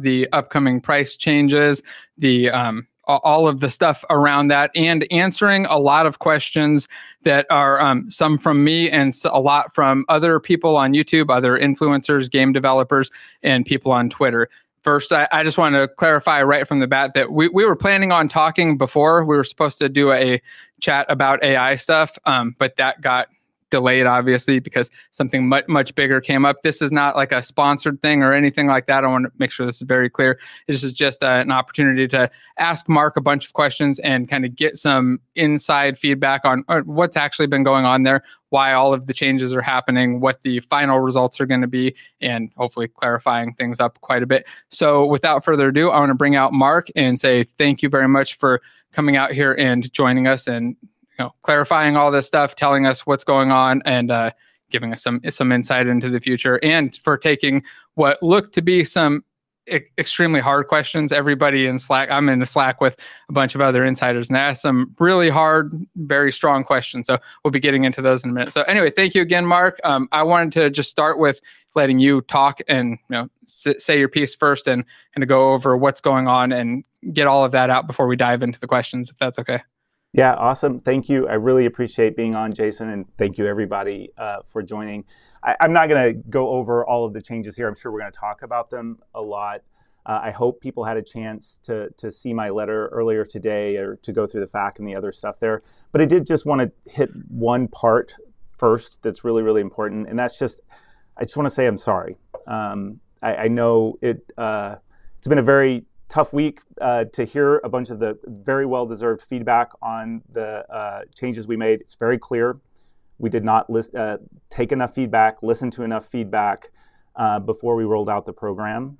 The upcoming price changes, all of the stuff around that, and answering a lot of questions that are, some from me, and a lot from other people on YouTube, other influencers, game developers, and people on Twitter. First, I just wanna clarify right from the bat that we were planning on talking before. We were supposed to do a chat about AI stuff, but that got delayed obviously, because something much bigger came up. This is not, like, a sponsored thing or anything like that. I wanna make sure this is very clear. This is just, an opportunity to ask Marc a bunch of questions and kinda get some inside feedback on, on what's actually been going on there, why all of the changes are happening, what the final results are gonna be, and hopefully clarifying things up quite a bit. So without further ado, I wanna bring out Marc and say thank you very much for coming out here and joining us, and, you know, clarifying all this stuff, telling us what's going on, and, giving us some insight into the future, and for taking what looked to be some extremely hard questions. Everybody in Slack. I'm in the Slack with a bunch of other insiders, and they asked some really hard, very strong questions, so we'll be getting into those in a minute. So anyway, thank you again, Marc. I wanted to just start with letting you talk and, you know, say your piece first, and kinda go over what's going on, and get all of that out before we dive into the questions, if that's okay. Yeah, awesome. Thank you. I really appreciate being on, Jason, and thank you everybody for joining. I'm not gonna go over all of the changes here. I'm sure we're gonna talk about them a lot. I hope people had a chance to see my letter earlier today, or to go through the FAQ and the other stuff there. But I did just wanna hit one part first that's really, really important, and that's just. I just wanna say I'm sorry. I know it's been a very tough week to hear a bunch of the very well-deserved feedback on the changes we made. It's very clear we did not take enough feedback, listen to enough feedback, before we rolled out the program.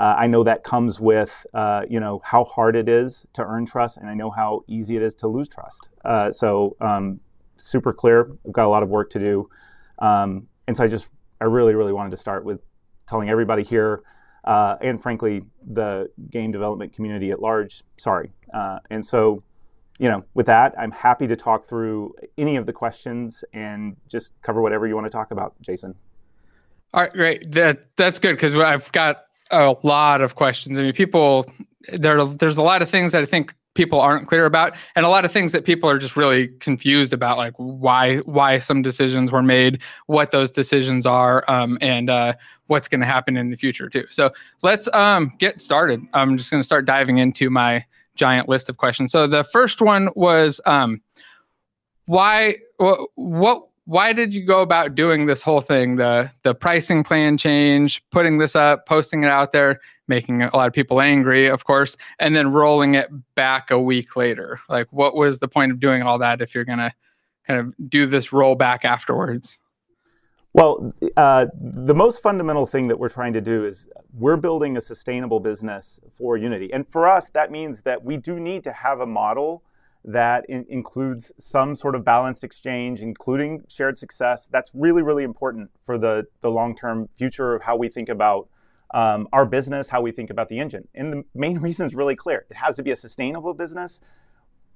I know that comes with you know, how hard it is to earn trust, and I know how easy it is to lose trust. So, super clear, we've got a lot of work to do. So I just, I really, really wanted to start with telling everybody here, and frankly, the game development community at large. Sorry. So, you know, with that, I'm happy to talk through any of the questions and just cover whatever you wanna talk about, Jason. All right, great. That's good, 'cause, well, I've got a lot of questions. I mean, people, there, there's a lot of things that I think people aren't clear about, and a lot of things that people are just really confused about, like why, why some decisions were made, what those decisions are, and what's gonna happen in the future, too. So let's get started. I'm just gonna start diving into my giant list of questions. So the first one was: why, why did you go about doing this whole thing, the pricing plan change, putting this up, posting it out there, making a lot of people angry, of course, and then rolling it back a week later? Like, what was the point of doing all that if you're gonna kind of do this rollback afterwards? Well, the most fundamental thing that we're trying to do is we're building a sustainable business for Unity. And for us, that means that we do need to have a model that includes some sort of balanced exchange, including shared success. That's really, really important for the long-term future of how we think about our business, how we think about the engine. And the main reason's really clear: it has to be a sustainable business.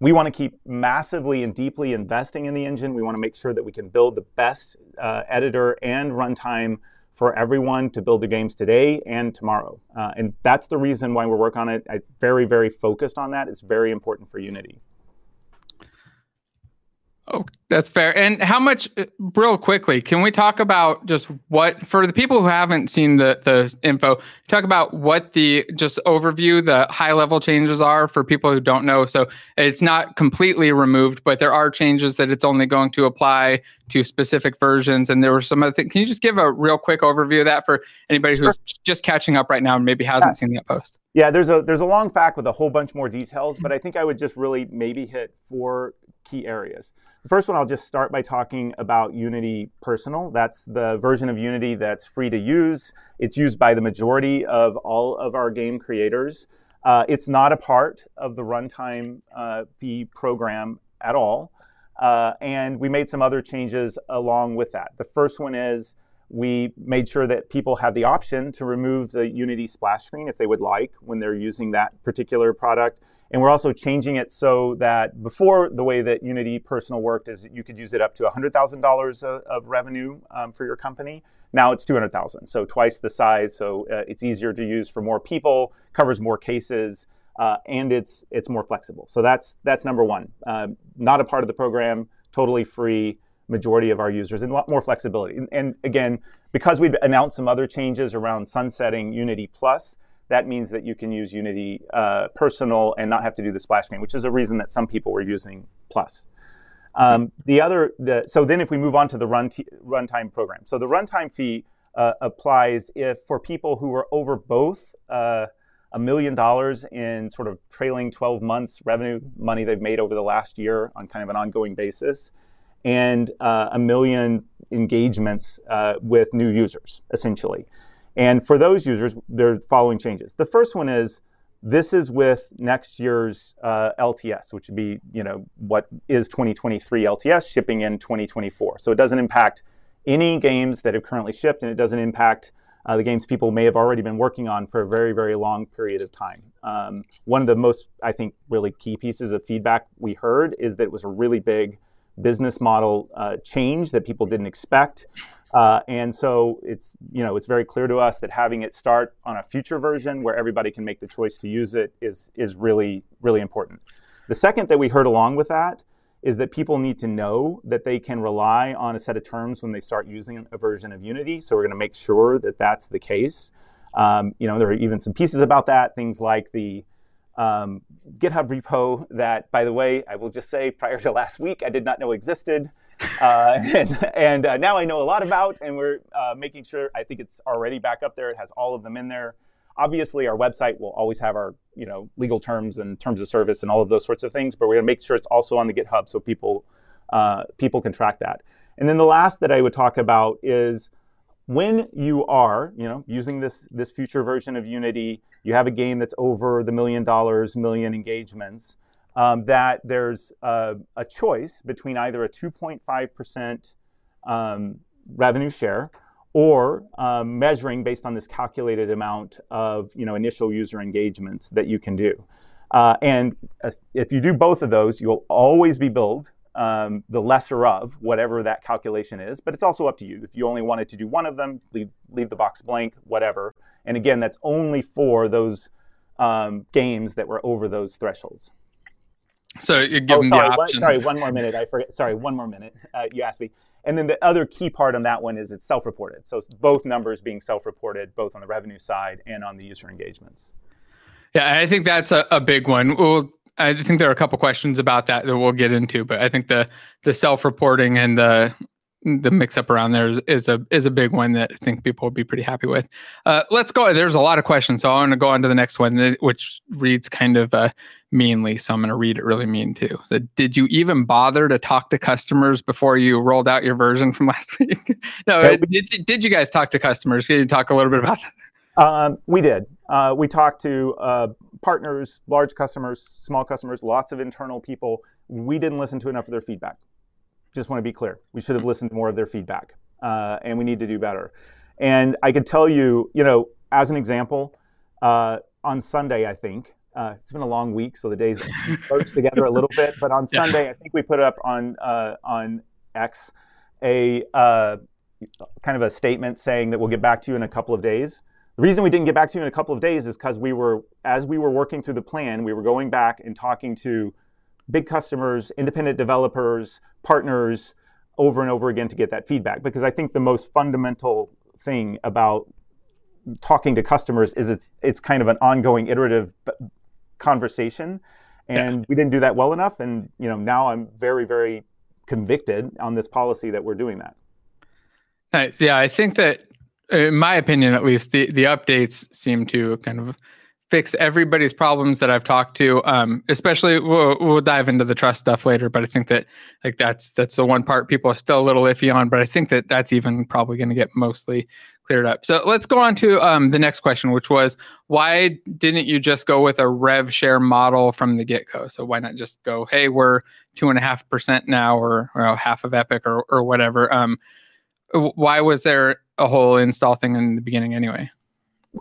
We wanna keep massively and deeply investing in the engine. We wanna make sure that we can build the best editor and runtime for everyone to build the games today and tomorrow. And that's the reason why we're working on it, very, very focused on that. It's very important for Unity. Oh, that's fair. How much—real quickly, can we talk about just what. For the people who haven't seen the, the info, talk about what the just overview, the high level changes are for people who don't know. It's not completely removed, but there are changes that it's only going to apply to specific versions, and there were some other things. Can you just give a real quick overview of that for anybody— Sure Who's just catching up right now, and maybe hasn't- Yeah Seen the post? Yeah, there's a long FAQ with a whole bunch more details- Mm-hmm But I think I would just really maybe hit four key areas. The first one, I'll just start by talking about Unity Personal. That's the version of Unity that's free to use. It's used by the majority of all of our game creators. It's not a part of the Runtime Fee program at all, and we made some other changes along with that. The first one is, we made sure that people had the option to remove the Unity splash screen, if they would like, when they're using that particular product. And we're also changing it so that. Before, the way that Unity Personal worked, is you could use it up to $100,000 of revenue for your company. Now, it's $200,000, so twice the size, so, it's easier to use for more people, covers more cases, and it's more flexible. So that's, that's number one. Not a part of the program, totally free, majority of our users, and a lot more flexibility. And, and again, because we've announced some other changes around sunsetting Unity Plus, that means that you can use Unity Personal and not have to do the splash screen, which is a reason that some people were using Plus. The other, so then if we move on to the runtime program. So the runtime fee applies if for people who are over both, a million dollars in sort of trailing 12 months revenue, money they've made over the last year on kind of an ongoing basis, and, a million engagements with new users, essentially. And for those users, there are the following changes. The first one is, this is with next year's, LTS, which would be, you know, what is 2023 LTS, shipping in 2024. So it doesn't impact any games that have currently shipped, and it doesn't impact, the games people may have already been working on for a very, very long period of time. One of the most, I think, really key pieces of feedback we heard, is that it was a really big business model, change that people didn't expect. And so it's, you know, it's very clear to us that having it start on a future version, where everybody can make the choice to use it, is, is really, really important. The second that we heard along with that. Is that people need to know that they can rely on a set of terms when they start using a version of Unity, so we're gonna make sure that that's the case. You know, there are even some pieces about that, things like the GitHub repo, that by the way, I will just say, prior to last week, I did not know existed. And now I know a lot about, and we're making sure, I think it's already back up there, it has all of them in there. Obviously, our website will always have our, you know, legal terms and terms of service, and all of those sorts of things, but we're gonna make sure it's also on the GitHub so people can track that. And then the last that I would talk about is when you are, you know, using this future version of Unity, you have a game that's over the million dollars, million engagements, that there's a choice between either a 2.5% revenue share, or measuring, based on this calculated amount of, you know, initial user engagements that you can do. And if you do both of those, you'll always be billed the lesser of whatever that calculation is, but it's also up to you. If you only wanted to do one of them, leave the box blank, whatever, and again, that's only for those games that were over those thresholds. So it'd give them the option. Oh, sorry. One more minute, you asked me. And then the other key part on that one is it's self-reported, so it's both numbers being self-reported, both on the revenue side and on the user engagements. Yeah, I think that's a big one. Well, I think there are a couple of questions about that that we'll get into, but I think the self-reporting and the mix-up around there is a big one that I think people will be pretty happy with. Let's go. There's a lot of questions, so I wanna go on to the next one, which reads kind of meanly, so I'm gonna read it really mean, too. "So did you even bother to talk to customers before you rolled out your version from last week?" Right. No, did you guys talk to customers? Can you talk a little bit about that? We did. We talked to partners, large customers, small customers, lots of internal people. We didn't listen to enough of their feedback. Just wanna be clear, we should have listened to more of their feedback, and we need to do better. I can tell you, you know, as an example, on Sunday, I think it's been a long week, so the days merge together a little bit. On Sunday, I think we put up on X, a kind of a statement saying that, "We'll get back to you in a couple of days." The reason we didn't get back to you in a couple of days is 'cause as we were working through the plan, we were going back and talking to big customers, independent developers, partners, over and over again to get that feedback. Because I think the most fundamental thing about talking to customers is it's kind of an ongoing iterative conversation- Yeah We didn't do that well enough and, you know, now I'm very, very convicted on this policy that we're doing that. Yeah, I think that, in my opinion at least, the, the updates seem to kind of fix everybody's problems that I've talked to. Especially, we'll, we'll dive into the trust stuff later, but I think that, like, that's, that's the one part people are still a little iffy on, but I think that that's even probably gonna get mostly cleared up. So let's go on to the next question, which was: "Why didn't you just go with a rev share model from the get-go?" So why not just go, "Hey, we're 2.5% now, or, or half of Epic," or, or whatever? Why was there a whole install thing in the beginning anyway?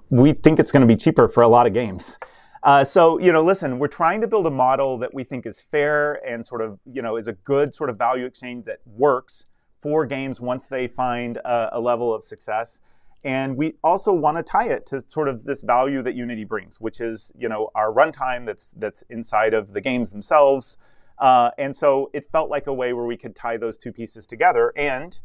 We think it's gonna be cheaper for a lot of games. So you know, listen, we're trying to build a model that we think is fair and sort of, you know, is a good sort of value exchange that works for games once they find a level of success. And we also wanna tie it to sort of this value that Unity brings, which is, you know, our runtime that's inside of the games themselves. And so it felt like a way where we could tie those two pieces together, and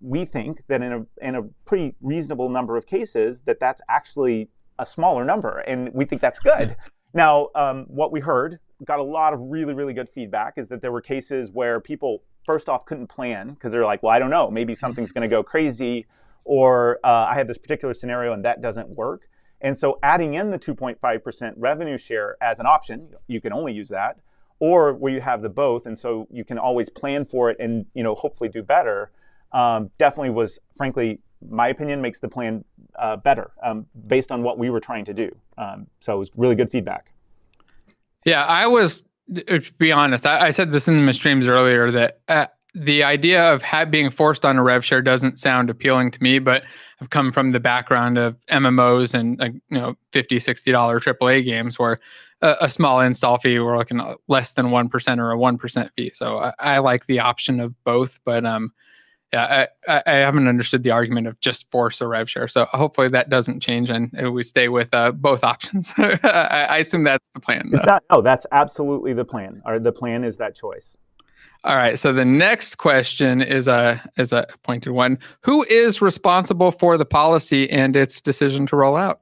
we think that in a pretty reasonable number of cases, that's actually a smaller number, and we think that's good. Now, what we heard, we got a lot of really, really good feedback, is that there were cases where people, first off, couldn't plan, 'cause they're like, "Well, I don't know, maybe something's gonna go crazy," or, "I have this particular scenario, and that doesn't work." And so adding in the 2.5% revenue share as an option, you can only use that, or where you have the both, and so you can always plan for it and, you know, hopefully do better, definitely was... frankly, my opinion, makes the plan, better, based on what we were trying to do. So it was really good feedback. Yeah. To be honest, I said this in the streams earlier, that the idea of having being forced on a rev share doesn't sound appealing to me, but I've come from the background of MMOs and, like, you know, $50, $60 AAA games, where a small install fee, we're looking at less than 1% or a 1% fee. So I like the option of both, but yeah, I haven't understood the argument of just forcing a rev share. So hopefully, that doesn't change, and we stay with both options. I assume that's the plan, though. Oh, that's absolutely the plan. Our the plan is that choice. All right, so the next question is a pointed one: "Who is responsible for the policy and its decision to roll out?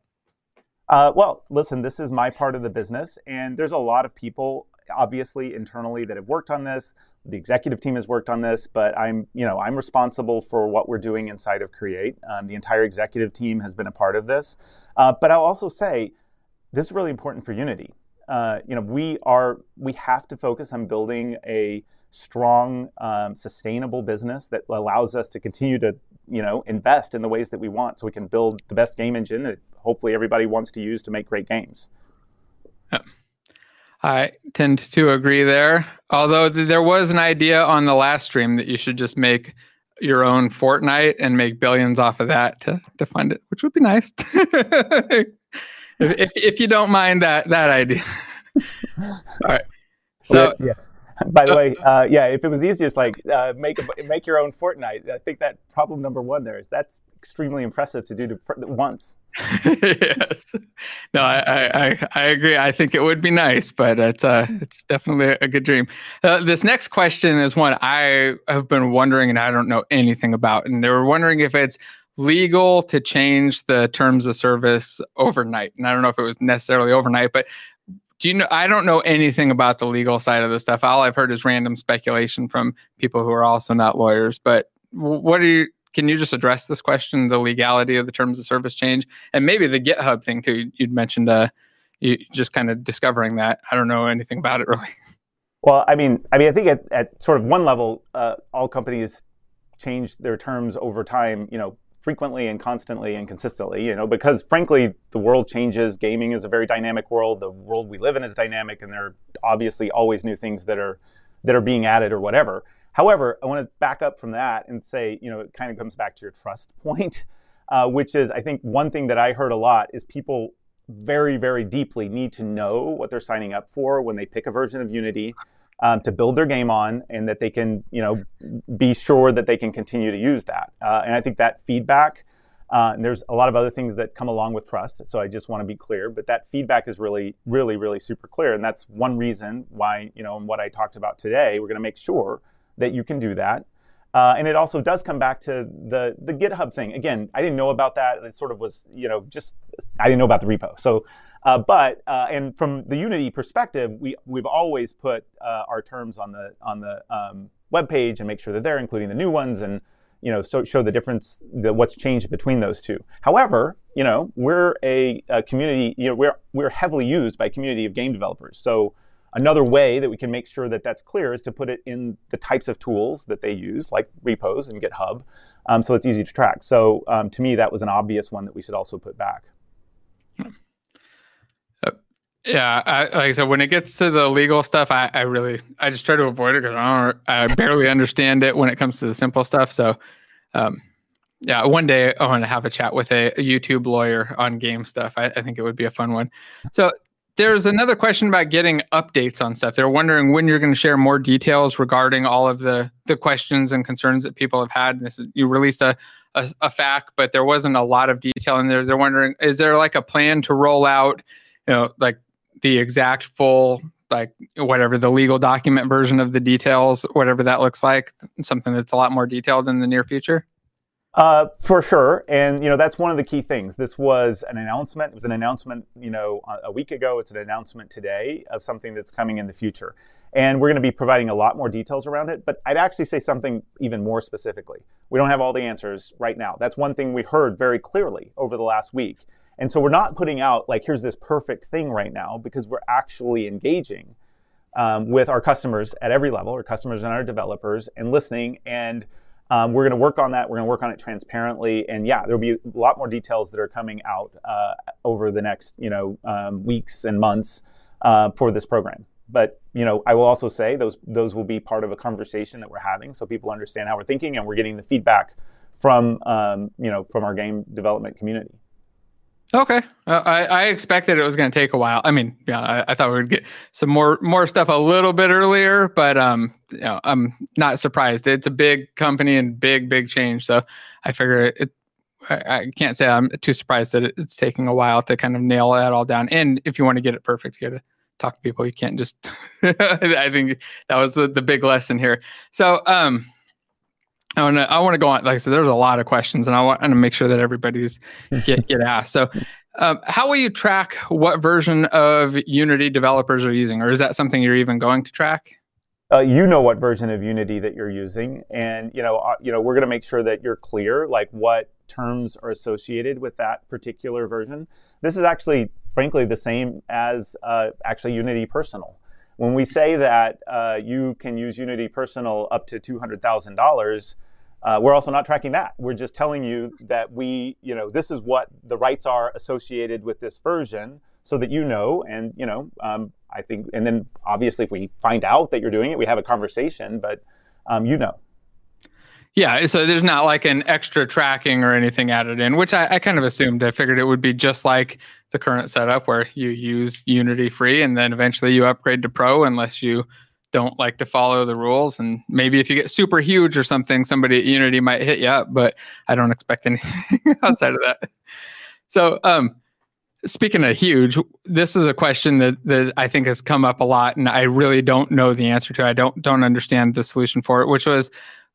Well, listen, this is my part of the business, and there's a lot of people, obviously, internally, that have worked on this. The executive team has worked on this, but I'm, you know, I'm responsible for what we're doing inside of Create. The entire executive team has been a part of this. But I'll also say, this is really important for Unity. You know, we have to focus on building a strong, sustainable business that allows us to continue to, you know, invest in the ways that we want, so we can build the best game engine that hopefully everybody wants to use to make great games. Yep. I tend to agree there. Although, there was an idea on the last stream that you should just make your own Fortnite and make billions off of that to fund it, which would be nice. If you don't mind that idea. All right. So yes, by the way, yeah, if it was easy as like, make your own Fortnite, I think that problem number one there is that's extremely impressive to do to Fortnite once. Yes. No, I, I, I agree. I think it would be nice, but that's, it's definitely a good dream. This next question is one I have been wondering, and I don't know anything about, and they were wondering if it's legal to change the terms of service overnight. I don't know if it was necessarily overnight, but do you know... I don't know anything about the legal side of this stuff. All I've heard is random speculation from people who are also not lawyers. What do you. Can you just address this question, the legality of the terms of service change, and maybe the GitHub thing, too, you'd mentioned, you just kind of discovering that. I don't know anything about it really. Well, I mean, I mean, I think at sort of one level, all companies change their terms over time, you know, frequently and constantly and consistently, you know, because frankly, the world changes. Gaming is a very dynamic world. The world we live in is dynamic, and there are obviously always new things that are being added or whatever. However, I wanna back up from that and say, you know, it kinda comes back to your trust point, which is, I think one thing that I heard a lot is people very, very deeply need to know what they're signing up for when they pick a version of Unity to build their game on, and that they can, you know, be sure that they can continue to use that. I think that feedback. There's a lot of other things that come along with trust, so I just wanna be clear, but that feedback is really, really, really super clear, and that's one reason why, you know, and what I talked about today, we're gonna make sure that you can do that. It also does come back to the GitHub thing. Again, I didn't know about that. It sort of was, you know, just, I didn't know about the repo. So, but, and from the Unity perspective, we've always put our terms on the webpage and make sure that they're including the new ones and, you know, so show the difference, the what's changed between those two. However, you know, we're a community. You know, we're heavily used by a community of game developers, so another way that we can make sure that that's clear is to put it in the types of tools that they use, like repos and GitHub, so it's easy to track. So, to me, that was an obvious one that we should also put back. Yeah, I, I... When it gets to the legal stuff, I really, I just try to avoid it, 'cause I don't, I barely understand it when it comes to the simple stuff. I really want to have a chat with a YouTube lawyer on game stuff. I think it would be a fun one. There's another question about getting updates on stuff. They're wondering when you're gonna share more details regarding all of the questions and concerns that people have had, and this is. You released a FAQ, but there wasn't a lot of detail in there. They're wondering, is there, like, a plan to roll out, you know, like, the exact full, like, whatever, the legal document version of the details, whatever that looks like, something that's a lot more detailed in the near future? For sure, and, you know, that's one of the key things. This was an announcement. It was an announcement, you know, a week ago. It's an announcement today of something that's coming in the future, and we're gonna be providing a lot more details around it, but I'd actually say something even more specifically. We don't have all the answers right now. That's one thing we heard very clearly over the last week, and so we're not putting out, like, "Here's this perfect thing right now," because we're actually engaging with our customers at every level, our customers and our developers, and listening, and we're gonna work on that. We're gonna work on it transparently, and yeah, there'll be a lot more details that are coming out over the next, you know, weeks and months for this program. You know, I will also say those will be part of a conversation that we're having, so people understand how we're thinking, and we're getting the feedback from, you know, from our game development community. Okay. I expected it was gonna take a while. I mean, yeah, I thought we would get some more, more stuff a little bit earlier, but, you know, I'm not surprised. It's a big company and big, big change, so I figure it, it. I can't say I'm too surprised that it's taking a while to kind of nail that all down. If you wanna get it perfect, you gotta talk to people. You can't just. I think that was the big lesson here. Like I said, there's a lot of questions, and I want, I wanna make sure that everybody's get, get asked. How will you track what version of Unity developers are using, or is that something you're even going to track? You know what version of Unity that you're using, and, you know, you know, we're gonna make sure that you're clear, like, what terms are associated with that particular version. This is actually, frankly, the same as, actually Unity Personal. When we say that, you can use Unity Personal up to $200,000, we're also not tracking that. We're just telling you that we. You know, this is what the rights are associated with this version so that you know, and, you know, I think. Then obviously, if we find out that you're doing it, we have a conversation, but, you know. Yeah, there's not, like, an extra tracking or anything added in, which I kind of assumed. I figured it would be just like the current setup where you use Unity Free, and then eventually you upgrade to Pro, unless you don't like to follow the rules, and maybe if you get super huge or something, somebody at Unity might hit you up, but I don't expect anything outside of that. Speaking of huge, this is a question that I think has come up a lot, and I really don't know the answer to. I don't understand the solution for it, which was,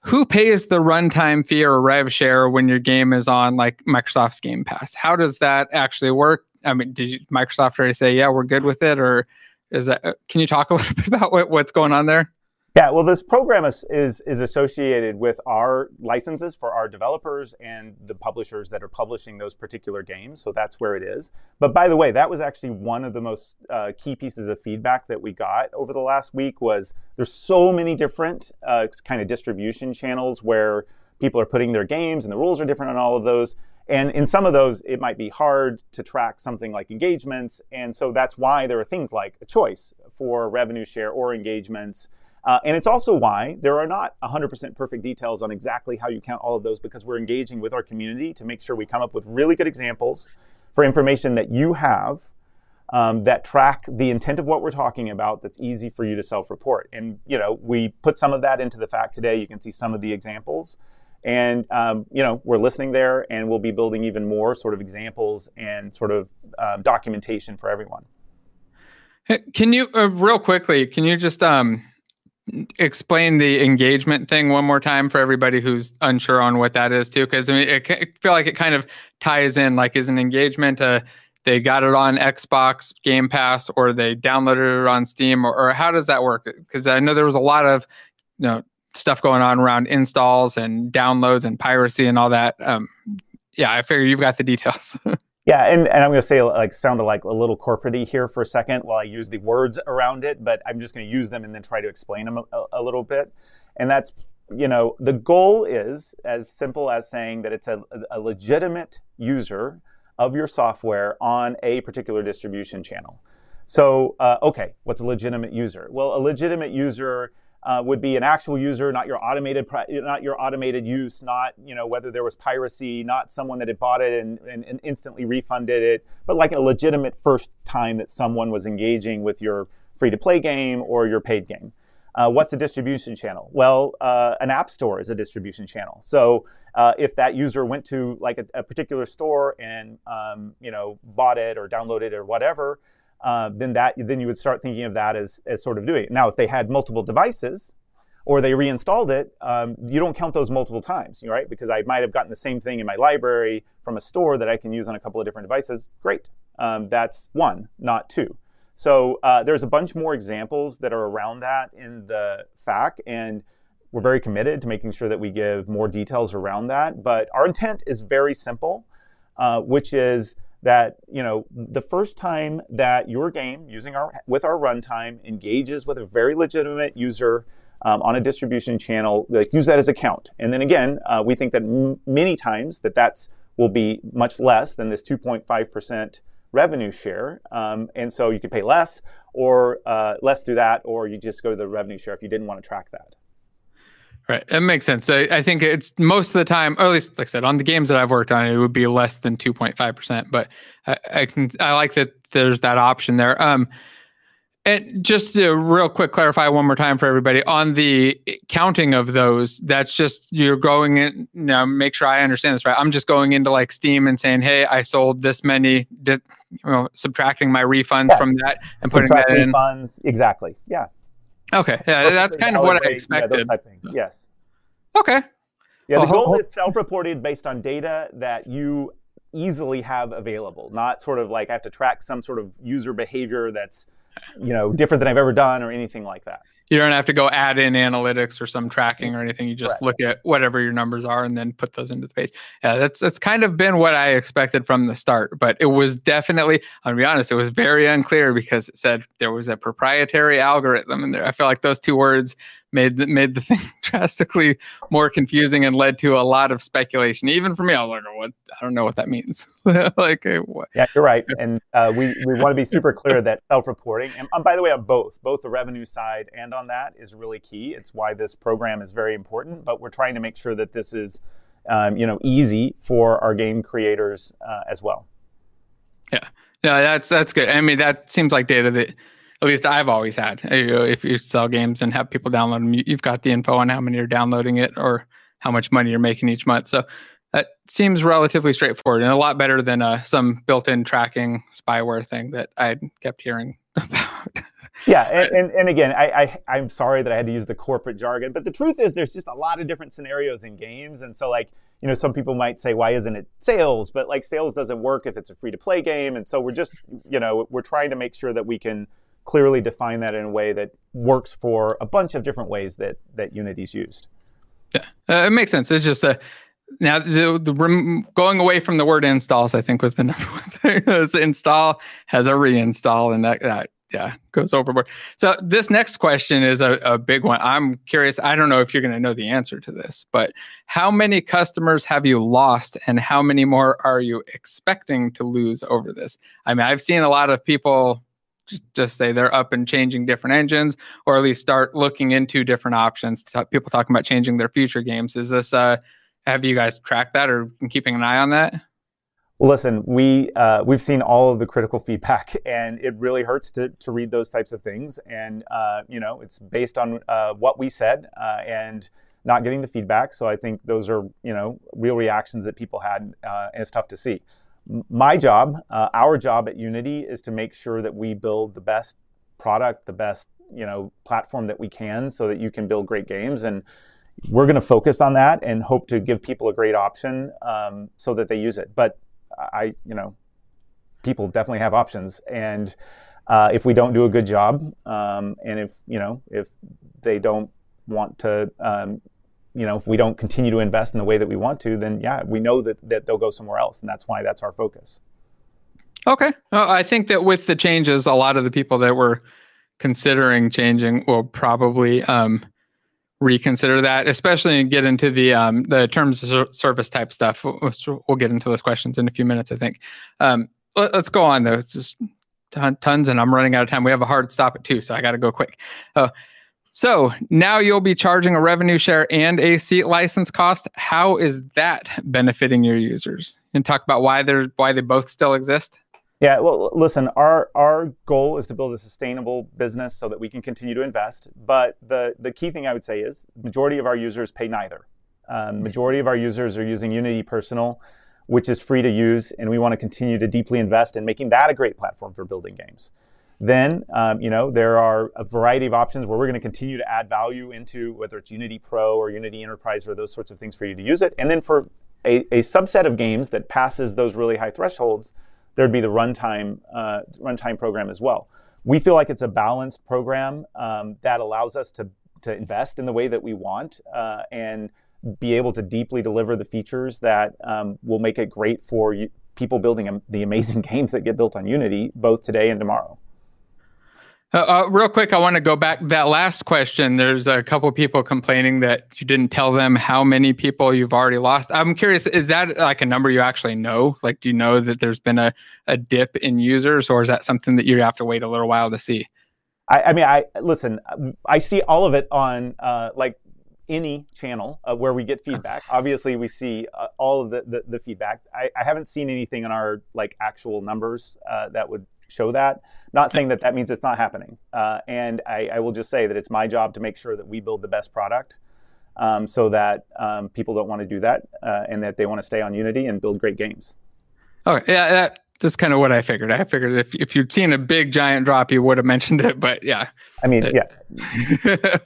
who pays the runtime fee or rev share when your game is on, like, Microsoft's Game Pass? How does that actually work? I mean, did Microsoft already say, "Yeah, we're good with it," or is that. Can you talk a little bit about what, what's going on there? Yeah, well, this program is associated with our licenses for our developers and the publishers that are publishing those particular games, so that's where it is. But by the way, that was actually one of the most key pieces of feedback that we got over the last week was there's so many different kind of distribution channels where people are putting their games, and the rules are different on all of those, and in some of those, it might be hard to track something like engagements. And so that's why there are things like a choice for revenue share or engagements. And it's also why there are not 100% perfect details on exactly how you count all of those, because we're engaging with our community to make sure we come up with really good examples for information that you have. That track the intent of what we're talking about, that's easy for you to self-report. You know, we put some of that into the FAQ today, you can see some of the examples. You know, we're listening there, and we'll be building even more sort of examples and sort of, documentation for everyone. Can you... real quickly, can you just explain the engagement thing one more time for everybody who's unsure on what that is, too? 'Cause, I mean, it feel like it kind of ties in, like, is an engagement a, they got it on Xbox Game Pass, or they downloaded it on Steam, or how does that work? 'Cause I know there was a lot of, you know, stuff going on around installs, and downloads, and piracy, and all that. Yeah, I figure you've got the details. Yeah, and I'm gonna say, like, sound like a little corporate-y here for a second while I use the words around it, but I'm just gonna use them and then try to explain them a little bit. And that's, you know, the goal is as simple as saying that it's a legitimate user of your software on a particular distribution channel. So, okay, what's a legitimate user? Well, a legitimate user would be an actual user, not your automated pr- not your automated use, not, you know, whether there was piracy, not someone that had bought it and instantly refunded it, but like a legitimate first time that someone was engaging with your free-to-play game or your paid game. What's a distribution channel? Well, an app store is a distribution channel. So, if that user went to, like, a particular store and, you know, bought it, or downloaded it, or whatever, then you would start thinking of that as sort of doing it. Now, if they had multiple devices or they reinstalled it, you don't count those multiple times, right? Because I might have gotten the same thing in my library from a store that I can use on a couple of different devices. Great, that's one, not two. So, there's a bunch more examples that are around that in the FAQ, and we're very committed to making sure that we give more details around that. But our intent is very simple, which is that, you know, the first time that your game, using our runtime, engages with a very legitimate user, on a distribution channel, like, use that as a count. And then again, we think that many times, that that will be much less than this 2.5% revenue share. And so you could pay less, or, less through that, or you just go to the revenue share if you didn't wanna track that. Right. It makes sense. I, I think it's, most of the time, or at least, like I said, on the games that I've worked on, it would be less than 2.5%, but I, I can- I like that there's that option there. And just to real quick clarify one more time for everybody, on the counting of those, that's just... You're going in... Now, make sure I understand this right. I'm just going into, like, Steam and saying, "Hey, I sold this many," that, well, subtracting my refunds from that- Yeah Putting that in. Subtract refunds, exactly. Yeah. Okay. Yeah, that's kind of what I expected. Yeah, those type of things. Yes. Okay. Uh- Yeah, the goal is self-reported based on data that you easily have available, not sort of like I have to track some sort of user behavior that's, you know, different than I've ever done or anything like that. You don't have to go add in analytics or some tracking or anything- Right You just look at whatever your numbers are and then put those into the page. That's, that's kind of been what I expected from the start, but it was definitely... I'll be honest, it was very unclear because it said there was a proprietary algorithm in there. I feel like those two words made the, made the thing drastically more confusing and led to a lot of speculation, even for me. I was like, "Well, what? I don't know what that means." Like, what- Yeah, you're right. And, we, we wanna be super clear that self-reporting, and, and by the way, on both, both the revenue side and on that, is really key. It's why this program is very important, but we're trying to make sure that this is, you know, easy for our game creators, as well. Yeah. No, that's, that's good. I mean, that seems like data that at least I've always had. You know, if you sell games and have people download them, you, you've got the info on how many are downloading it or how much money you're making each month. So that seems relatively straightforward, and a lot better than, some built-in tracking spyware thing that I'd kept hearing about. Yeah. Right. And again, I'm sorry that I had to use the corporate jargon, but the truth is, there's just a lot of different scenarios in games, and so, like, you know, some people might say, "Why isn't it sales?" But, like, sales doesn't work if it's a free-to-play game, and so we're just. You know, we're trying to make sure that we can clearly define that in a way that works for a bunch of different ways that Unity is used. Yeah. It makes sense. It's just that now the, we're going away from the word installs, I think was the number one thing, 'cause install has a reinstall, and that, yeah, goes overboard. So this next question is a big one. I'm curious, I don't know if you're gonna know the answer to this, but how many customers have you lost, and how many more are you expecting to lose over this? I mean, I've seen a lot of people just say they're up and changing different engines, or at least start looking into different options, people talking about changing their future games. Is this... Have you guys tracked that or been keeping an eye on that? Listen, we, we've seen all of the critical feedback, and it really hurts to read those types of things. You know, it's based on, what we said, and not getting the feedback, so I think those are, you know, real reactions that people had, and it's tough to see. My job, our job at Unity is to make sure that we build the best product, the best, you know, platform that we can, so that you can build great games. And we're gonna focus on that and hope to give people a great option, so that they use it. But I, you know, people definitely have options, and, if we don't do a good job, and if, you know, if they don't want to. You know, if we don't continue to invest in the way that we want to, then yeah, we know that they'll go somewhere else, and that's why that's our focus. Okay. I think that with the changes, a lot of the people that were considering changing will probably reconsider that, especially and get into the terms of service type stuff, which we'll get into those questions in a few minutes, I think. Let's go on, though. It's just tons, and I'm running out of time. We have a hard stop at 2:00, so I gotta go quick. So now you'll be charging a revenue share and a seat license cost. How is that benefiting your users? And talk about why they both still exist. Yeah, well, listen, our goal is to build a sustainable business so that we can continue to invest, but the key thing I would say is, the majority of our users pay neither. Majority of our users are using Unity Personal, which is free to use, and we wanna continue to deeply invest in making that a great platform for building games. Then, you know, there are a variety of options where we're gonna continue to add value into, whether it's Unity Pro or Unity Enterprise, or those sorts of things for you to use it. And then for a subset of games that passes those really high thresholds, there'd be the runtime program as well. We feel like it's a balanced program that allows us to invest in the way that we want and be able to deeply deliver the features that will make it great for people building the amazing games that get built on Unity, both today and tomorrow. Real quick, I wanna go back. That last question, there's a couple people complaining that you didn't tell them how many people you've already lost. I'm curious, is that, like, a number you actually know? Like, do you know that there's been a dip in users, or is that something that you're gonna have to wait a little while to see? I mean, listen, I see all of it on, like, any channel where we get feedback. Okay. Obviously, we see all of the, the, the feedback. I haven't seen anything in our, like, actual numbers that would show that. Not saying that that means it's not happening. I will just say that it's my job to make sure that we build the best product, so that people don't want to do that, and that they want to stay on Unity and build great games. All right. Yeah, yeah, that's kind of what I figured. I figured if, if you'd seen a big, giant drop, you would've mentioned it, but yeah. I mean, yeah.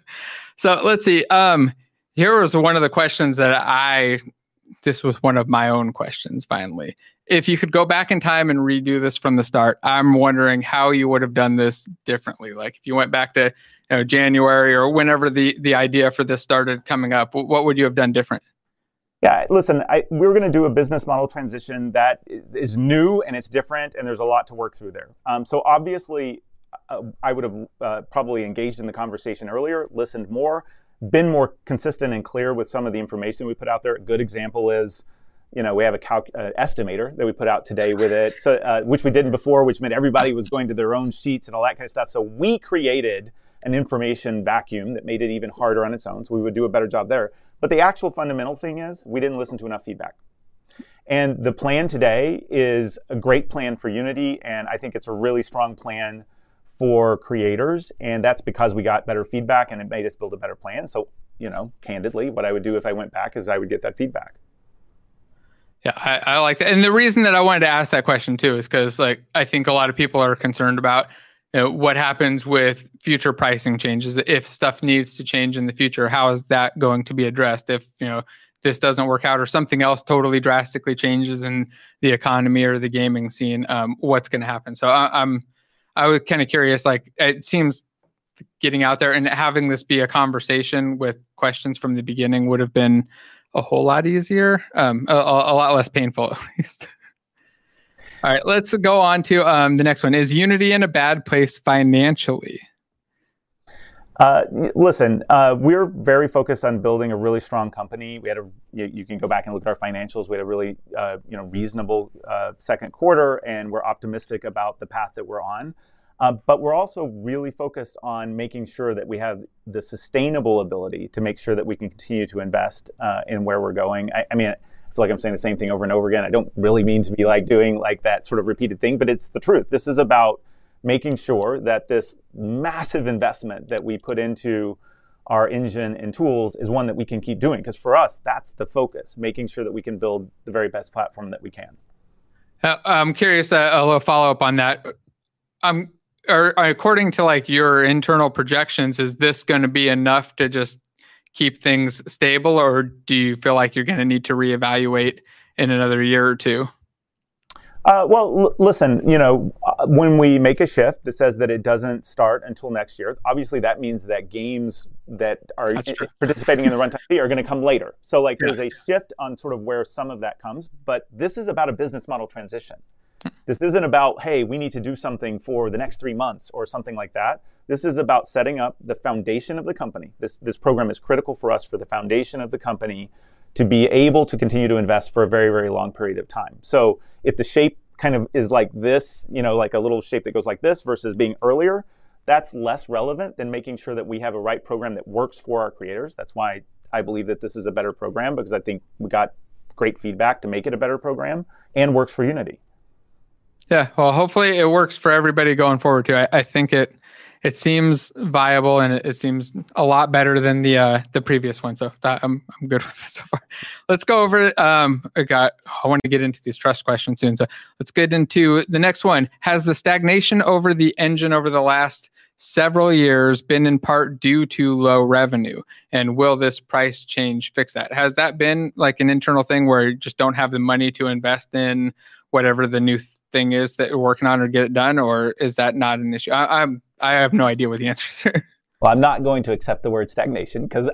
Let's see. Here was one of the questions that I. This was one of my own questions, finally. If you could go back in time and redo this from the start, I'm wondering how you would've done this differently. Like, if you went back to, you know, January or whenever the, the idea for this started coming up, what, what would you have done different? Yeah, listen, I- we were gonna do a business model transition that is, is new and it's different, and there's a lot to work through there. I would've, probably engaged in the conversation earlier, listened more, been more consistent and clear with some of the information we put out there. A good example is, you know, we have a calc- estimator that we put out today with it. Which we didn't before, which meant everybody was going to their own sheets and all that kind of stuff. We created an information vacuum that made it even harder on its own, so we would do a better job there. The actual fundamental thing is, we didn't listen to enough feedback. The plan today is a great plan for Unity, and I think it's a really strong plan for creators, and that's because we got better feedback, and it made us build a better plan. You know, candidly, what I would do if I went back is I would get that feedback. Yeah, I like that. The reason that I wanted to ask that question, too, is 'cause, like, I think a lot of people are concerned about what happens with future pricing changes. If stuff needs to change in the future, how is that going to be addressed? If, you know, this doesn't work out or something else totally drastically changes in the economy or the gaming scene, what's gonna happen? I was kinda curious, like, it seems getting out there and having this be a conversation with questions from the beginning would've been a whole lot easier, a lot less painful at least. All right, let's go on to the next one. Is Unity in a bad place financially? Listen, we're very focused on building a really strong company. You can go back and look at our financials. We had a really, you know, reasonable second quarter, and we're optimistic about the path that we're on. But we're also really focused on making sure that we have the sustainable ability to make sure that we continue to invest in where we're going. I mean, I feel like I'm saying the same thing over and over again. I don't really mean to be, like, doing, like, that sort of repeated thing, but it's the truth. This is about making sure that this massive investment that we put into our engine and tools is one that we can keep doing, 'cause for us, that's the focus, making sure that we can build the very best platform that we can. I'm curious, a little follow-up on that. According to, like, your internal projections, is this gonna be enough to just keep things stable, or do you feel like you're gonna need to reevaluate in another year or two? Well, listen, you know, when we make a shift that says that it doesn't start until next year, obviously, that means that games that are- That's true Participating in the Runtime Fee are gonna come later. Yeah. So, like, there's a shift on sort of where some of that comes, but this is about a business model transition. Hmm. This isn't about, hey, we need to do something for the next three months, or something like that. This is about setting up the foundation of the company. This, this program is critical for us, for the foundation of the company to be able to continue to invest for a very, very long period of time. So if the shape kind of is like this, you know, like a little shape that goes like this, versus being earlier, that's less relevant than making sure that we have a right program that works for our creators. That's why I believe that this is a better program, because I think we got great feedback to make it a better program, and works for Unity. Yeah. Well, hopefully it works for everybody going forward, too. I think it seems viable, and it seems a lot better than the previous one, so that... I'm good with it so far. Let's go over, I got. I want to get into these trust questions soon, so let's get into the next one. Has the stagnation over the engine over the last several years been in part due to low revenue, and will this price change fix that? Has that been, like, an internal thing, where you just don't have the money to invest in whatever the new thing is that you're working on or get it done, or is that not an issue? I have no idea what the answer is here. Well, I'm not going to accept the word stagnation, 'cause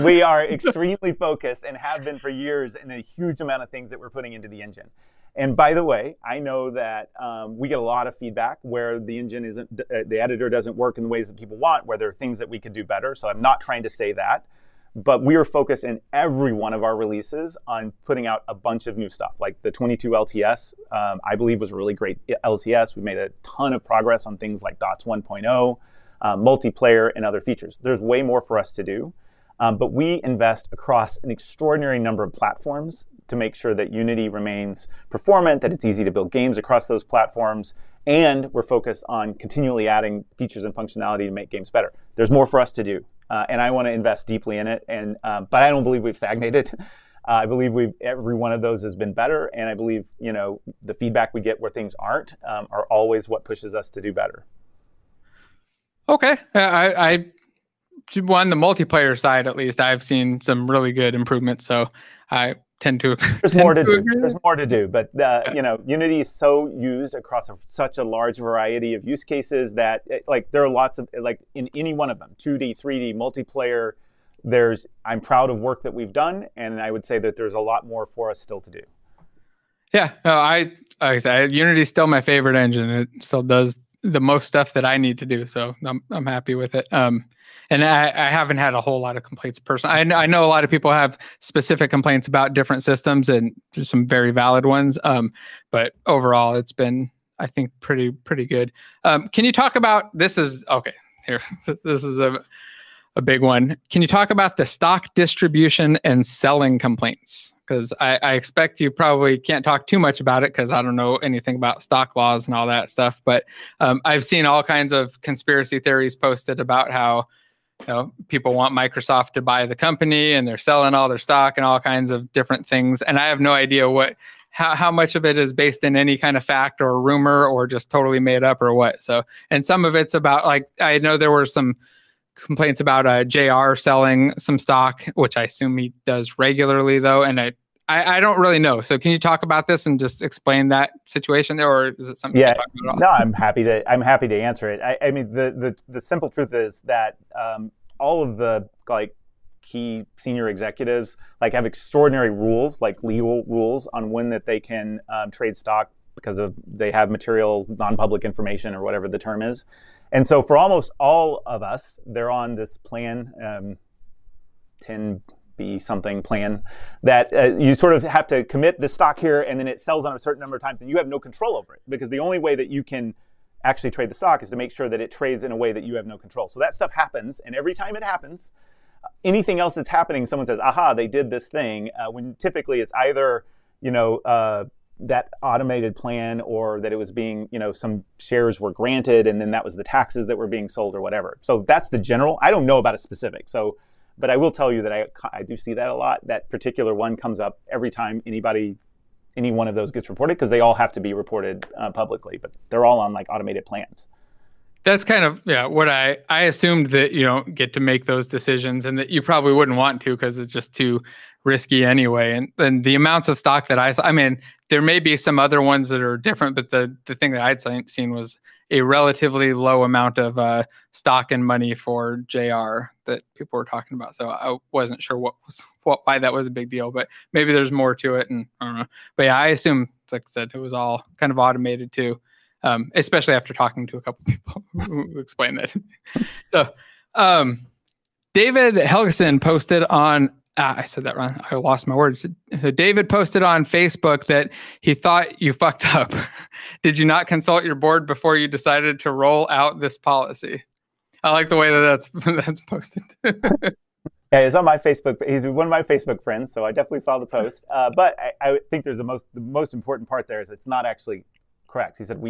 we are extremely focused and have been for years, in a huge amount of things that we're putting into the engine. And by the way, I know that we get a lot of feedback where the engine isn't the editor doesn't work in the ways that people want, where there are things that we could do better, so I'm not trying to say that. But we are focused in every one of our releases on putting out a bunch of new stuff, like the 22 LTS, I believe, was a really great LTS. We made a ton of progress on things like DOTS 1.0, multiplayer, and other features. There's way more for us to do, but we invest across an extraordinary number of platforms to make sure that Unity remains performant, that it's easy to build games across those platforms, and we're focused on continually adding features and functionality to make games better. There's more for us to do, and I wanna invest deeply in it. But I don't believe we've stagnated. I believe every one of those has been better, and I believe, you know, the feedback we get where things aren't are always what pushes us to do better. Okay. Well, on the multiplayer side, at least, I've seen some really good improvements, so I tend to- There's more to do. There's more to do, but the, you know, Unity is so used across such a large variety of use cases that, it like, there are lots of- like, in any one of them, 2D, 3D, multiplayer, there's- I'm proud of work that we've done, and I would say that there's a lot more for us still to do. Yeah. No, like I said, Unity is still my favorite engine, and it still does the most stuff that I need to do, so I'm happy with it. I haven't had a whole lot of complaints personally. I know a lot of people have specific complaints about different systems, and just some very valid ones, but overall, it's been, I think, pretty good. Can you talk about. This is okay, here. This is a big one. Can you talk about the stock distribution and selling complaints? 'Cause I expect you probably can't talk too much about it, 'cause I don't know anything about stock laws and all that stuff. But, I've seen all kinds of conspiracy theories posted about how, you know, people want Microsoft to buy the company, and they're selling all their stock and all kinds of different things, and I have no idea how much of it is based in any kind of fact or rumor or just totally made up or what, so. Some of it's about like, I know there were some complaints about JR selling some stock, which I assume he does regularly, though, and I don't really know. So can you talk about this and just explain that situation there, or is it something you can't talk about at all? Yeah. No, I'm happy to, I'm happy to answer it. I mean, the simple truth is that all of the, like, key senior executives like, have extraordinary rules, like legal rules on when they can trade stock, because they have material non-public information or whatever the term is. And so for almost all of us, they're on this plan, 10b5-1 plan, that you sort of have to commit the stock here, and then it sells on a certain number of times, and you have no control over it. Because the only way that you can actually trade the stock is to make sure that it trades in a way that you have no control. So that stuff happens, and every time it happens, anything else that's happening, someone says, "Aha, they did this thing," when typically it's either, you know, that automated plan or that it was being... You know, some shares were granted, and then that was the taxes that were being sold or whatever. So that's the general... I don't know about a specific, but I will tell you that I do see that a lot. That particular one comes up every time anybody, any one of those gets reported, 'cause they all have to be reported, publicly, but they're all on, like, automated plans. That's kind of, yeah, what I... I assumed that you don't get to make those decisions, and that you probably wouldn't want to, 'cause it's just too risky anyway. The amounts of stock that I s- I mean, there may be some other ones that are different, but the thing that I'd seen, seen was a relatively low amount of stock and money for JR that people were talking about, so I wasn't sure what was- wh- why that was a big deal. Maybe there's more to it, and I don't know. Yeah, I assume, like I said, it was all kind of automated, too, especially after talking to a couple of people who explained it. David Helgason posted on, I said that wrong. I lost my words. David posted on Facebook that he thought you. Did you not consult your board before you decided to roll out this policy?" I like the way that that's posted. Yeah, he's on my Facebook—he's one of my Facebook friends, so I definitely saw the post. Yeah. But I think the most important part there is it's not actually correct. He said,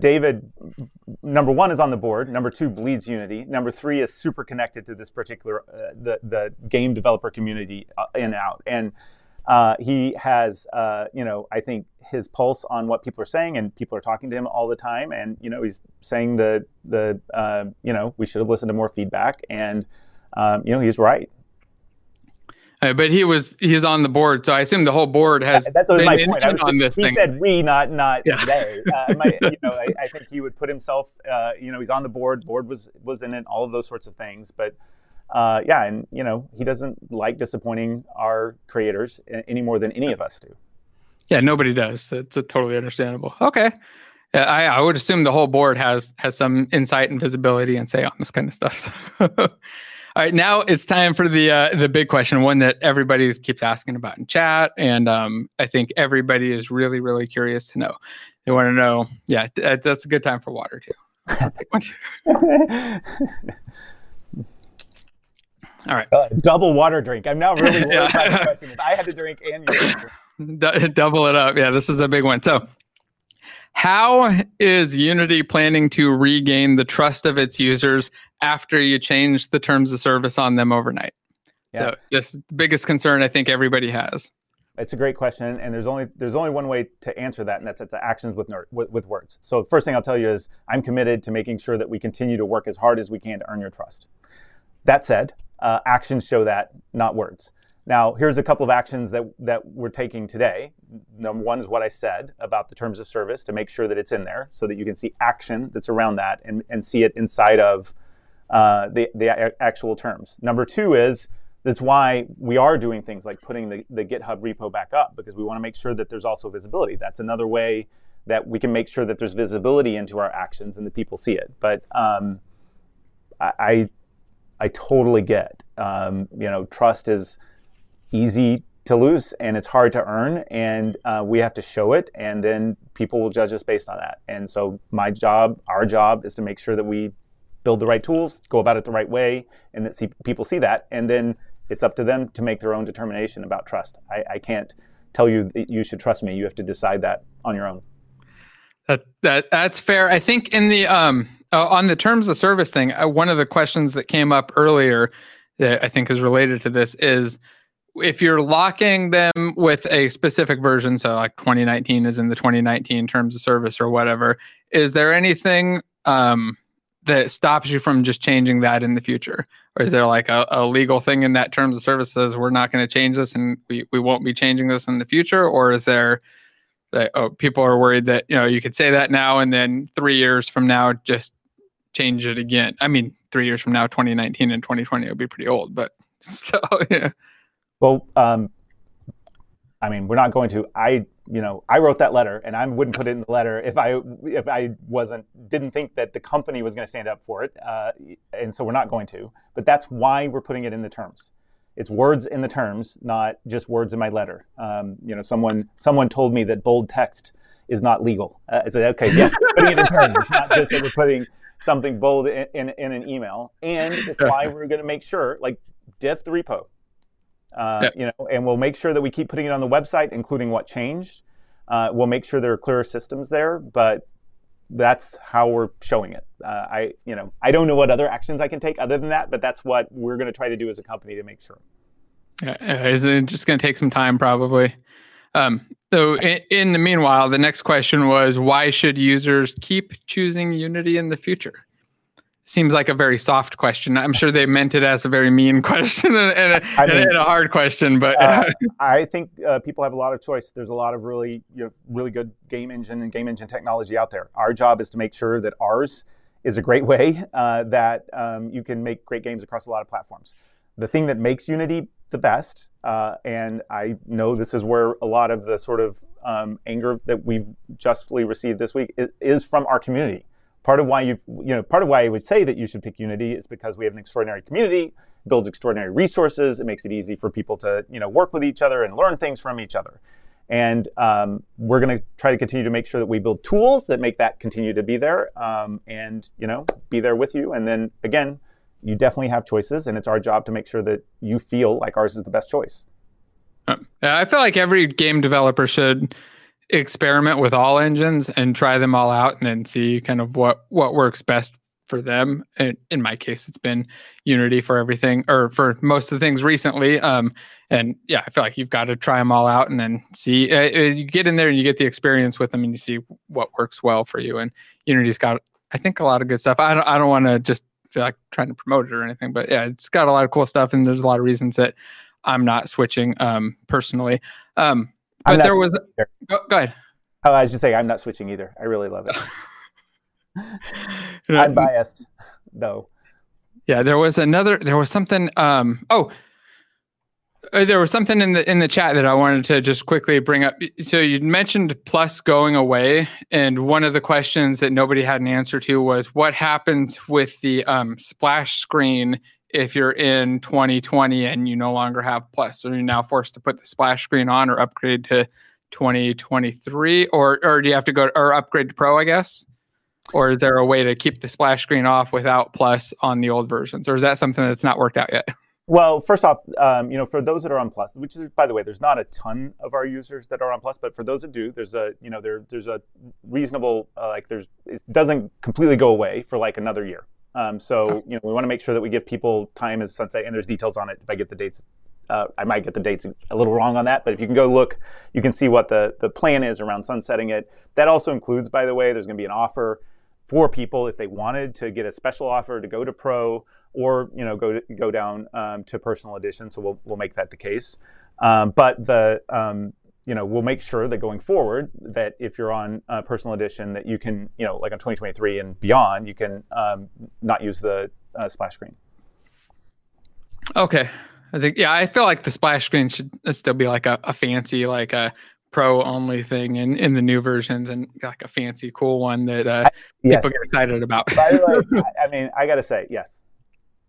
David, number one, is on the board, number two, bleeds Unity, number three, is super connected to the game developer community in and out. He has, you know, I think his pulse on what people are saying, and people are talking to him all the time, and, you know, he's saying that, you know, we should have listened to more feedback, and, you know, he's right. But he was... He's on the board, so I assume the whole board has been in on this thing. That's totally my point. I'm just, he said, "We," not- Yeah. "They." You know, I think he would put himself, you know, he's on the board, board was in it, all of those sorts of things. But, yeah, and, you know, he doesn't like disappointing our creators any more than any of us do. Yeah, nobody does. It's totally understandable. Okay. I would assume the whole board has some insight and visibility and say on this kind of stuff. All right, now it's time for the big question, one that everybody keeps asking about in chat, and I think everybody is really, really curious to know. They wanna know... Yeah, that's a good time for water, too. I'll take one. All right. Double water drink. I'm now really worried- Yeah. About this question, if I have to drink and you drink. Double it up. Yeah, this is a big one. So how is Unity planning to regain the trust of its users after you changed the terms of service on them overnight? Yeah. This is the biggest concern I think everybody has. It's a great question, and there's only one way to answer that, and that's, it's actions, not words. So the first thing I'll tell you is, I'm committed to making sure that we continue to work as hard as we can to earn your trust. That said, actions show that, not words. Now, here's a couple of actions that we're taking today. Number one is what I said about the terms of service, to make sure that it's in there, so that you can see action that's around that and see it inside of the actual terms. Number two is, that's why we are doing things like putting the GitHub repo back up, because we wanna make sure that there's also visibility. That's another way that we can make sure that there's visibility into our actions and that people see it. But, I totally get, you know, trust is easy to lose, and it's hard to earn, and we have to show it, and then people will judge us based on that. And so my job, our job, is to make sure that we build the right tools, go about it the right way, and that people see that, and then it's up to them to make their own determination about trust. I can't tell you that you should trust me. You have to decide that on your own. That, that's fair. I think in the, on the terms of service thing, one of the questions that came up earlier that I think is related to this is, if you're locking them with a specific version, so like 2019 is in the 2019 terms of service or whatever, is there anything that stops you from just changing that in the future? Or is there like a legal thing in that terms of service that says, "We're not gonna change this, and we, we won't be changing this in the future"? Or is there, like, people are worried that, you know, you could say that now, and then three years from now, just change it again? I mean, three years from now, 2019 and 2020 will be pretty old, but yeah. Well, I mean, we're not going to. You know, I wrote that letter, and I wouldn't put it in the letter if I wasn't, didn't think that the company was gonna stand up for it. And so we're not going to, but that's why we're putting it in the terms. It's words in the terms, not just words in my letter. You know, someone told me that bold text is not legal. I said, "Okay, yes," putting it in terms, it's not just that we're putting something bold in an email. And that's why we're gonna make sure, like, diff the repo. Yeah Yyou know, and we'll make sure that we keep putting it on the website, including what changed. We'll make sure there are clearer systems there, but that's how we're showing it. You know, I don't know what other actions I can take other than that, but that's what we're gonna try to do as a company to make sure. Yeah, and is it just gonna take some time, probably? So in the meanwhile, the next question was, why should users keep choosing Unity in the future? Seems like a very soft question. Yeah. I'm sure they meant it as a very mean question, and I think- A hard question, but, I think, people have a lot of choice. There's a lot of really, you know, really good game engine and game engine technology out there. Our job is to make sure that ours is a great way you can make great games across a lot of platforms. The thing that makes Unity the best, and I know this is where a lot of the sort of anger that we've justly received this week is from our community. Part of why you know, part of why I would say that you should pick Unity is because we have an extraordinary community, builds extraordinary resources, it makes it easy for people to, you know, work with each other and learn things from each other. We're gonna try to continue to make sure that we build tools that make that continue to be there, and, you know, be there with you. Then, again, you definitely have choices, and it's our job to make sure that you feel like ours is the best choice. Yeah, I feel like every game developer should experiment with all engines and try them all out, and then see kind of what, what works best for them. And in my case, it's been Unity for everything, or for most of the things recently. And yeah, I feel like you've got to try them all out, and then see... You get in there, and you get the experience with them, and you see what works well for you. And Unity's got, I think, a lot of good stuff. I don't, I don't wanna just, like, try to promote it or anything, but yeah, it's got a lot of cool stuff, and there's a lot of reasons that I'm not switching, personally. But there was- I'm not switching either. Go, go ahead. Oh, I was just saying, I'm not switching either. I really love it. I'm biased, though. Yeah, there was something in the chat that I wanted to just quickly bring up. So you'd mentioned Plus going away, and one of the questions that nobody had an answer to was: What happens with the splash screen if you're in 2020 and you no longer have Plus? Are you now forced to put the splash screen on or upgrade to 2023, or do you have to go, or upgrade to Pro, I guess? Yeah. Or is there a way to keep the splash screen off without Plus on the old versions, or is that something that's not worked out yet? Well, first off, you know, for those that are on Plus, which is, by the way, there's not a ton of our users that are on Plus, but for those who do, there's a reasonable, you know. Like, it doesn't completely go away for, like, another year. So- Yeah You know, we wanna make sure that we give people time to sunset, and there's details on it. If I get the dates, I might get the dates a little wrong on that, but if you can go look, you can see what the plan is around sunsetting it. That also includes, by the way, there's gonna be an offer for people if they wanted to get a special offer to go to Pro or, you know, go to, go down to Personal Edition, so we'll make that the case. But the... You know, we'll make sure that going forward, that if you're on Personal Edition, that you can, you know, like on 2023 and beyond, you can not use the splash screen. Okay. I think, yeah, I feel like the splash screen should still be like a, a fancy, like a Pro-only thing in, in the new versions, and like a fancy cool one that, Yes People get excited about. By the way, I mean, I gotta say, yes.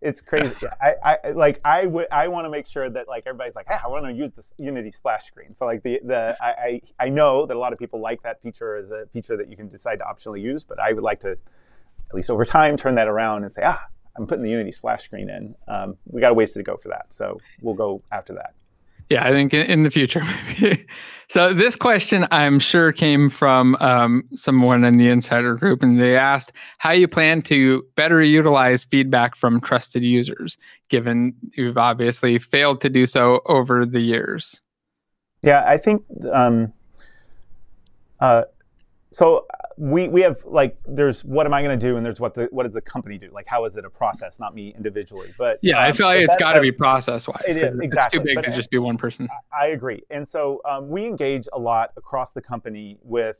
It's crazy. Yeah. Like, I wanna make sure that, like, everybody's like, "Ah, I wanna use this Unity splash screen." So like, I know that a lot of people like that feature as a feature that you can decide to optionally use, but I would like to, at least over time, turn that around and say, "Ah, I'm putting the Unity splash screen in." We got a ways to go for that, so we'll go after that. Yeah, I think in the future. So this question, I'm sure, came from someone in the insider group, and they asked: How you plan to better utilize feedback from trusted users, given you've obviously failed to do so over the years? Yeah, I think. We have, like, there's what am I gonna do? There's what the, what does the company do? Like, how is it a process, not me individually, but. Yeah, I feel like it's gotta be process-wise. It is. Exactly. It's too big to just be one person. I agree. And so, we engage a lot across the company with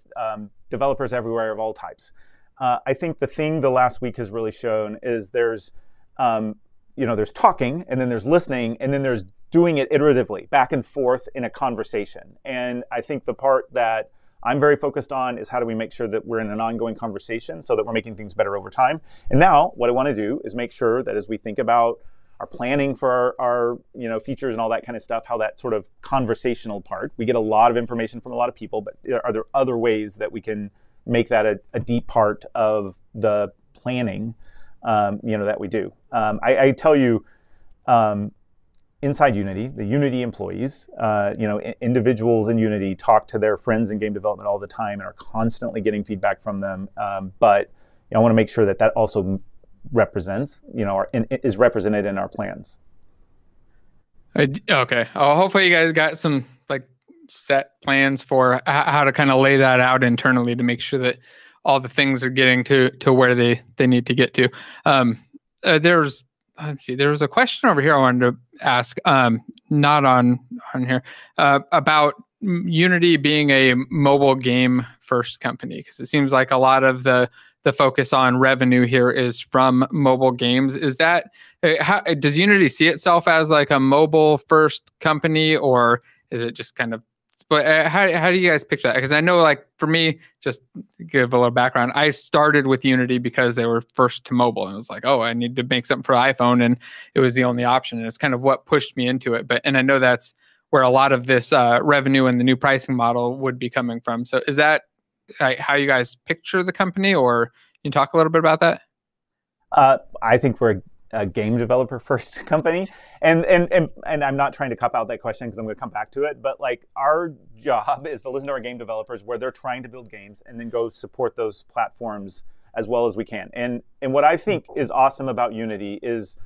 developers everywhere of all types. I think the thing the last week has really shown is there's, you know, there's talking, and then there's listening, and then there's doing it iteratively, back and forth in a conversation. And I think the part that I'm very focused on is how do we make sure that we're in an ongoing conversation so that we're making things better over time? And now, what I wanna do is make sure that as we think about our planning for our, you know, features and all that kind of stuff, how that sort of conversational part, we get a lot of information from a lot of people, but are there other ways that we can make that a deep part of the planning, you know, that we do? I tell you, inside Unity, the Unity employees, you know, individuals in Unity talk to their friends in game development all the time and are constantly getting feedback from them. But I wanna make sure that that also represents, you know, or and is represented in our plans. Okay. Well, hopefully you guys got some, like, set plans for how to kinda lay that out internally to make sure that all the things are getting to where they need to get to. There's a question over here I wanted to ask, not on here, about Unity being a mobile game-first company. 'Cause it seems like a lot of the focus on revenue here is from mobile games. Is that how does Unity see itself as, like, a mobile-first company, or is it just kind of... But how do you guys picture that? 'Cause I know, like, for me, just to give a little background, I started with Unity because they were first to mobile, and I was like, "Oh, I need to make something for iPhone," and it was the only option, and it's kind of what pushed me into it. But... And I know that's where a lot of this, revenue and the new pricing model would be coming from. So is that, how you guys picture the company, or can you talk a little bit about that? I think we're a game developer-first company. And I'm not trying to cop out of that question, 'cause I'm gonna come back to it, but, like, our job is to listen to our game developers where they're trying to build games, and then go support those platforms as well as we can. And what I think- Mm Is awesome about Unity is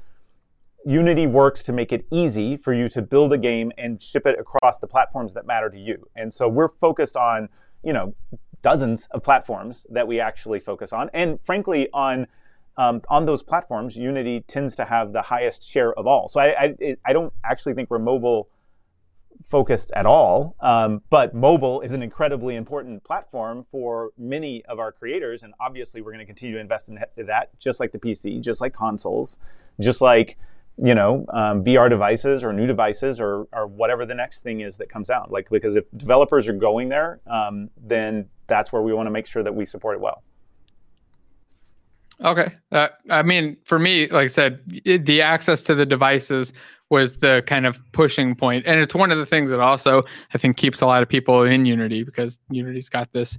Unity works to make it easy for you to build a game and ship it across the platforms that matter to you. And so we're focused on, you know, dozens of platforms that we actually focus on, and frankly, on those platforms, Unity tends to have the highest share of all. So I don't actually think we're mobile-focused at all, but mobile is an incredibly important platform for many of our creators, and obviously, we're gonna continue to invest in that, just like the PC, just like consoles, just like, you know, VR devices or new devices or whatever the next thing is that comes out. Like, because if developers are going there, then that's where we wanna make sure that we support it well. Okay. I mean, for me, like I said, the access to the devices was the kind of pushing point, and it's one of the things that also I think keeps a lot of people in Unity, because Unity's got this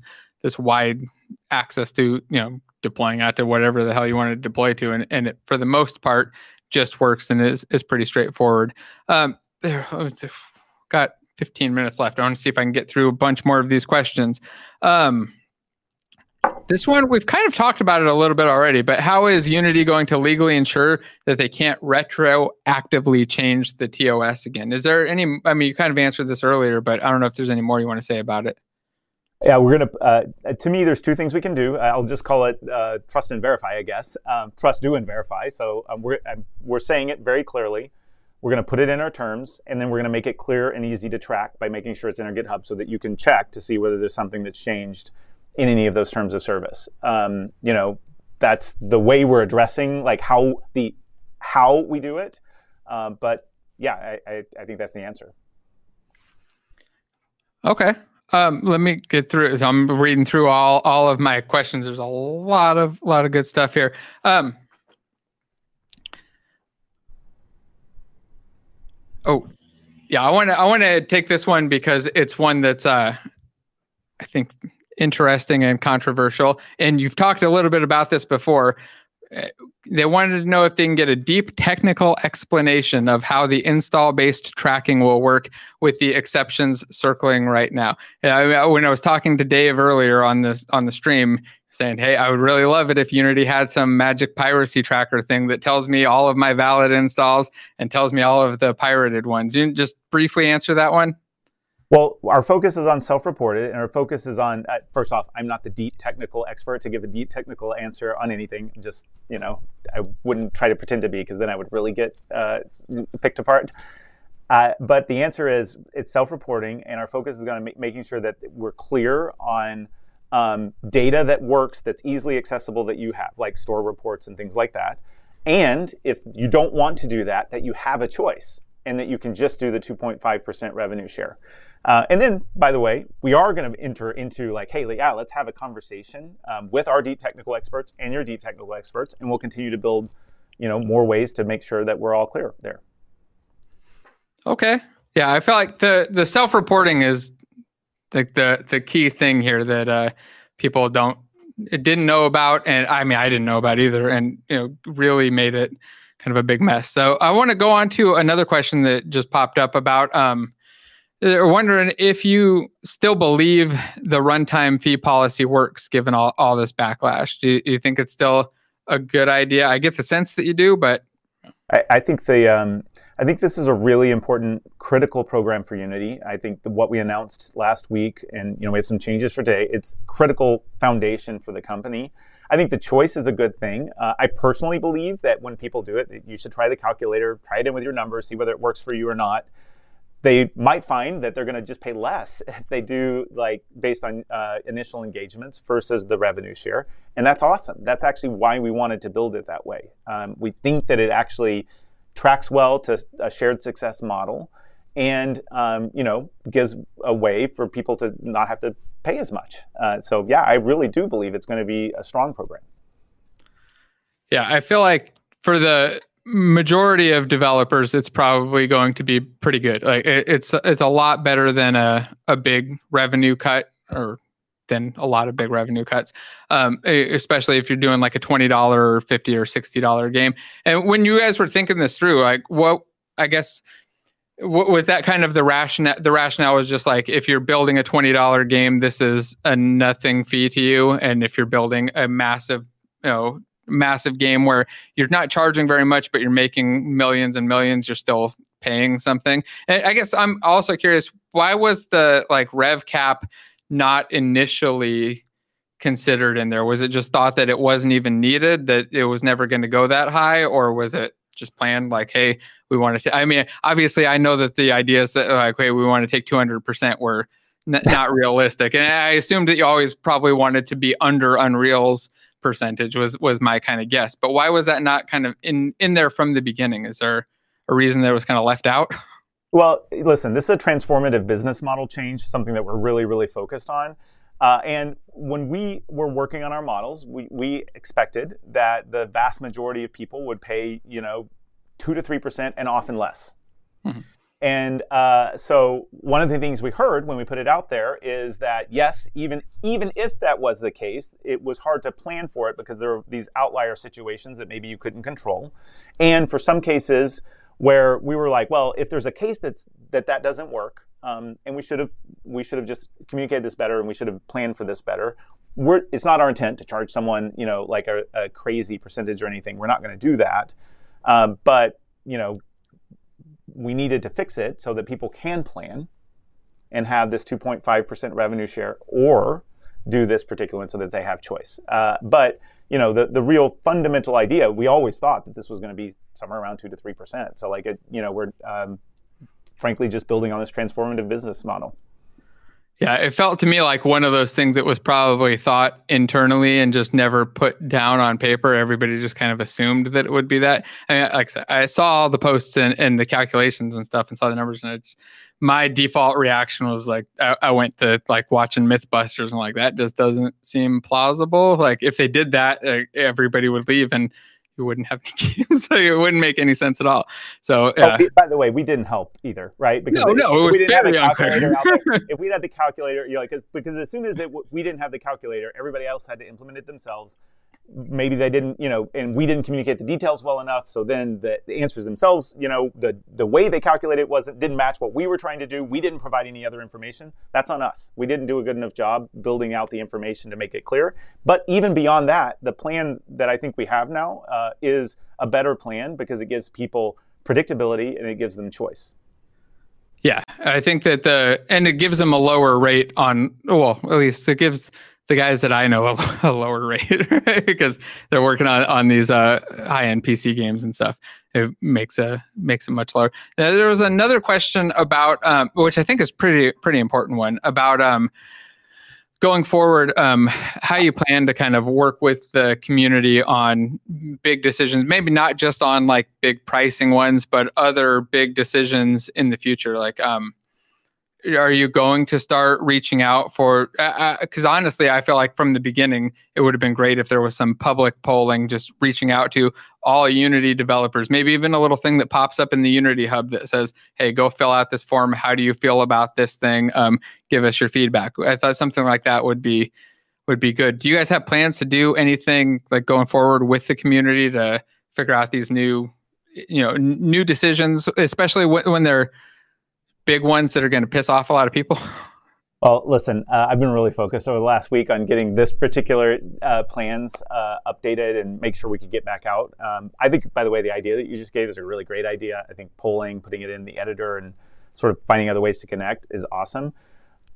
wide access to, you know, deploying out to whatever the hell you wanna deploy to, and it, for the most part, just works and is pretty straightforward. Got 15 minutes left. I wanna see if I can get through a bunch more of these questions. This one, we've kind of talked about it a little bit already, but how is Unity going to legally ensure that they can't retroactively change the TOS again? Is there any- I mean, you kind of answered this earlier, but I don't know if there's any more you wanna say about it. Yeah, we're gonna. To me, there's two things we can do. I'll just call it trust and verify, I guess. Trust, do, and verify. So, we're saying it very clearly, we're gonna put it in our terms, and then we're gonna make it clear and easy to track by making sure it's in our GitHub, so that you can check to see whether there's something that's changed in any of those terms of service. You know, that's the way we're addressing, like, how we do it, but yeah, I think that's the answer. Okay. Let me get through, as I'm reading through all, all of my questions. There's a lot of, lot of good stuff here. Oh, yeah, I wanna, I wanna take this one because it's one that's, I think interesting and controversial, and you've talked a little bit about this before. They wanted to know if they can get a deep technical explanation of how the install-based tracking will work with the exceptions circling right now. And I, I when I was talking to Dave earlier on this, on the stream, saying, "Hey, I would really love it if Unity had some magic piracy tracker thing that tells me all of my valid installs and tells me all of the pirated ones." Can you just briefly answer that one? Well, our focus is on self-reported, and our focus is on... First off, I'm not the deep technical expert to give a deep technical answer on anything. Just, you know, I wouldn't try to pretend to be, 'cause then I would really get picked apart. But the answer is, it's self-reporting, and our focus is gonna making sure that we're clear on data that works, that's easily accessible, that you have, like store reports and things like that. If you don't want to do that, that you have a choice, and that you can just do the 2.5% revenue share. Then, by the way, we are gonna enter into, like, "Hey, like, yeah, let's have a conversation with our deep technical experts and your deep technical experts, and we'll continue to build, you know, more ways to make sure that we're all clear there. Okay. Yeah, I feel like the self-reporting is, like, the key thing here that people didn't know about, and I mean, I didn't know about either, and, you know, really made it kind of a big mess. So I wanna go on to another question that just popped up about, they're wondering if you still believe the runtime fee policy works, given all this backlash. Do you think it's still a good idea? I get the sense that you do, but- I think this is a really important critical program for Unity. I think what we announced last week, and, you know, we have some changes for today, it's critical foundation for the company. I think the choice is a good thing. I personally believe that when people do it, that you should try the calculator, try it in with your numbers, see whether it works for you or not. They might find that they're gonna just pay less if they do, like, based on, initial engagements versus the revenue share, and that's awesome. That's actually why we wanted to build it that way. We think that it actually tracks well to a shared success model and, you know, gives a way for people to not have to pay as much. So yeah, I really do believe it's gonna be a strong program. Yeah, I feel like for the majority of developers, it's probably going to be pretty good. Like, it's a lot better than a big revenue cut or than a lot of big revenue cuts, especially if you're doing, like, a $20, or $50, or $60 game. And when you guys were thinking this through, like, what, I guess, was that kind of the rationale? The rationale was just, like, if you're building a $20 game, this is a nothing fee to you, and if you're building a massive, you know, massive game where you're not charging very much, but you're making millions and millions, you're still paying something? And I guess I'm also curious, why was the, like, rev cap not initially considered in there? Was it just thought that it wasn't even needed, that it was never gonna go that high, or was it just planned, like, "Hey, we wanna take 200%," were not realistic. I mean, obviously, I know that the ideas that, like, "Hey, we wanna take 200%," were not realistic. And I assumed that you always probably wanted to be under Unreal's percentage; that was my kinda guess. But why was that not kind of in there from the beginning? Is there a reason that it was kinda left out? Well, listen, this is a transformative business model change, something that we're really, really focused on. When we were working on our models, we, we expected that the vast majority of people would pay, you know, 2%-3% and often less. Mm-hmm. So one of the things we heard when we put it out there is that, yes, even, even if that was the case, it was hard to plan for it because there were these outlier situations that maybe you couldn't control. And for some cases, where we were like, well, if there's a case that's, that that doesn't work, and we should've, we should've just communicated this better, and we should've planned for this better, we're... It's not our intent to charge someone, you know, like, a, a crazy percentage or anything. We're not gonna do that. But, you know, we needed to fix it so that people can plan and have this 2.5% revenue share or do this particular one so that they have choice. But, you know, the real fundamental idea, we always thought that this was gonna be somewhere around 2%-3%. So, like, you know, we're frankly just building on this transformative business model. Yeah, it felt to me like one of those things that was probably thought internally and just never put down on paper. Everybody just kind of assumed that it would be that. Like I say, I saw the posts and the calculations and stuff and saw the numbers, and it's my default reaction was like, watching MythBusters and like, that just doesn't seem plausible. Like, if they did that, everybody would leave, and you wouldn't have any games so it wouldn't make any sense at all. So- But by the way, we didn't help either, right? No, no, it was better. If we'd had the calculator, like, 'cause because as soon as we didn't have the calculator, everybody else had to implement it themselves. Maybe they didn't, you know, and we didn't communicate the details well enough, so then the answers themselves, you know, the way they calculated it didn't match what we were trying to do. We didn't provide any other information. That's on us. We didn't do a good enough job building out the information to make it clear. But even beyond that, the plan that I think we have now is a better plan because it gives people predictability, and it gives them choice. Yeah. I think that the... It gives them a lower rate on... Well, at least it gives the guys that I know a lower rate because they're working on, on these, high-end PC games and stuff. It makes it much lower. Now, there was another question, which I think is a pretty important one, about going forward, how you plan to kind of work with the community on big decisions. Maybe not just on big pricing ones, but other big decisions in the future, like, are you going to start reaching out for... I, I, 'cause honestly, I feel like from the beginning, it would've been great if there was some public polling just reaching out to all Unity developers. Maybe even a little thing that pops up in the Unity Hub that says, "Hey, go fill out this form. How do you feel about this thing? Give us your feedback." I thought something like that would be good. Do you guys have plans to do anything, like, going forward with the community to figure out these new, you know, new decisions, especially when they're big ones that are gonna piss off a lot of people? Well, listen, I've been really focused over the last week on getting this particular, plans, updated and make sure we could get back out. I think, by the way, the idea that you just gave is a really great idea. I think polling, putting it in the editor, and sort of finding other ways to connect is awesome.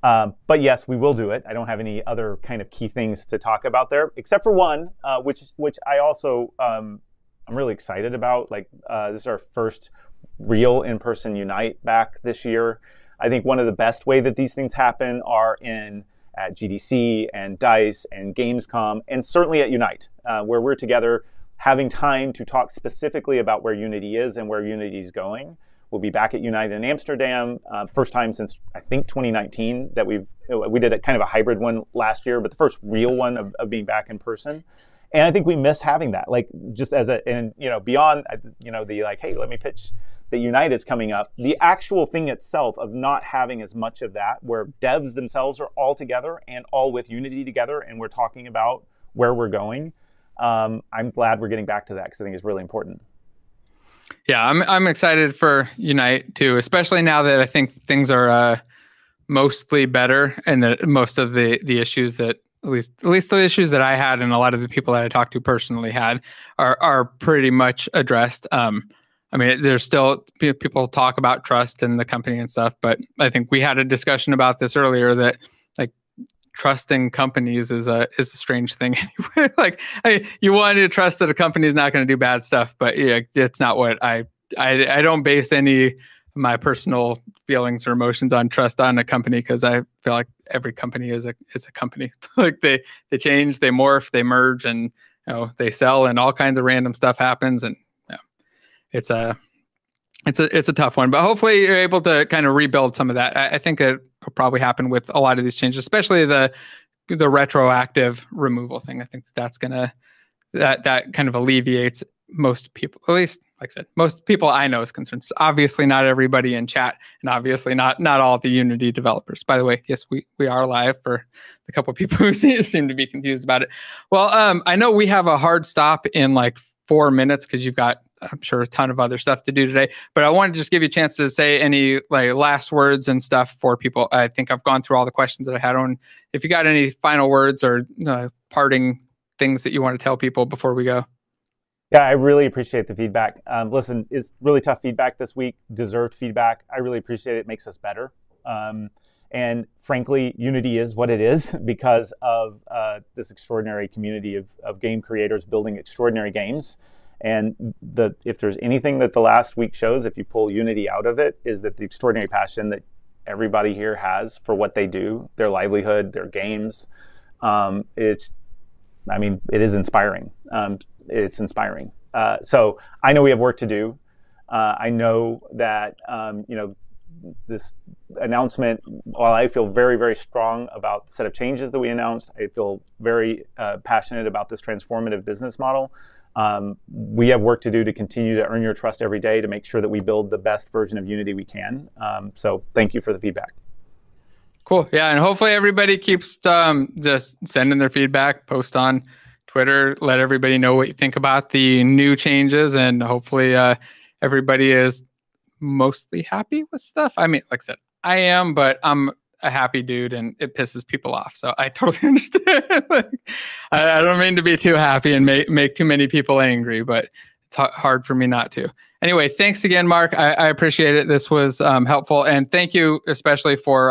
But yes, we will do it. I don't have any other kind of key things to talk about there, except for one, which I also, I'm really excited about. Like, this is our first real in-person Unite back this year. I think one of the best way that these things happen are in, at GDC and DICE and Gamescom, and certainly at Unite, where we're together having time to talk specifically about where Unity is and where Unity is going. We'll be back at Unite in Amsterdam, first time since, I think, 2019, that we've... we did a kind of a hybrid one last year, but the first real one of being back in person. And I think we miss having that, like, just as a, and, you know, beyond, you know, the, like, "Hey, let me pitch that Unite is coming up," the actual thing itself of not having as much of that, where devs themselves are all together and all with Unity together, and we're talking about where we're going, I'm glad we're getting back to that, because I think it's really important. Yeah, I'm excited for Unite, too, especially now that I think things are mostly better and that most of the issues that, at least, at least the issues that I had and a lot of the people that I talked to personally had are pretty much addressed. I mean, there's still people talk about trust in the company and stuff, but I think we had a discussion about this earlier, that, like, trusting companies is a strange thing anyway. Like, I... You want to trust that a company is not gonna do bad stuff, but, yeah, it's not what I—I don't base any of my personal feelings or emotions on trust on a company, 'cause I feel like every company is a, it's a company. Like, they change, they morph, they merge, and, you know, they sell, and all kinds of random stuff happens, and yeah. It's a tough one, but hopefully you're able to kinda rebuild some of that. I think it'll probably happen with a lot of these changes, especially the retroactive removal thing. I think that's gonna... That kind of alleviates most people. At least, like I said, most people I know's concerns. Obviously, not everybody in chat... and obviously not all of the Unity developers. By the way, yes, we are live for the couple of people who seem to be confused about it. Well, I know we have a hard stop in, like, four minutes, 'cause you've got, I'm sure, a ton of other stuff to do today, but I wanted to just give you a chance to say any, like, last words and stuff for people. I think I've gone through all the questions that I had on. If you've got any final words or, you know, parting things that you wanna tell people before we go. Yeah, I really appreciate the feedback. Listen, it's really tough feedback this week, deserved feedback. I really appreciate it, it makes us better. And frankly, Unity is what it is because of this extraordinary community of game creators building extraordinary games. If there's anything that the last week shows, if you pull Unity out of it, is that the extraordinary passion that everybody here has for what they do, their livelihood, their games, it's... I mean, it is inspiring. It's inspiring. So I know we have work to do. I know that, you know, this announcement, while I feel very, very strong about the set of changes that we announced, I feel very passionate about this transformative business model. We have work to do to continue to earn your trust every day, to make sure that we build the best version of Unity we can. So thank you for the feedback. Cool. Yeah, and hopefully everybody keeps just sending their feedback, post on Twitter, let everybody know what you think about the new changes, and hopefully everybody is mostly happy with stuff. I mean, like I said, I am, but I'm a happy dude, and it pisses people off, so I totally understand. I don't mean to be too happy and make too many people angry, but it's hard for me not to. Anyway, thanks again, Marc. I appreciate it. This was helpful, and thank you especially for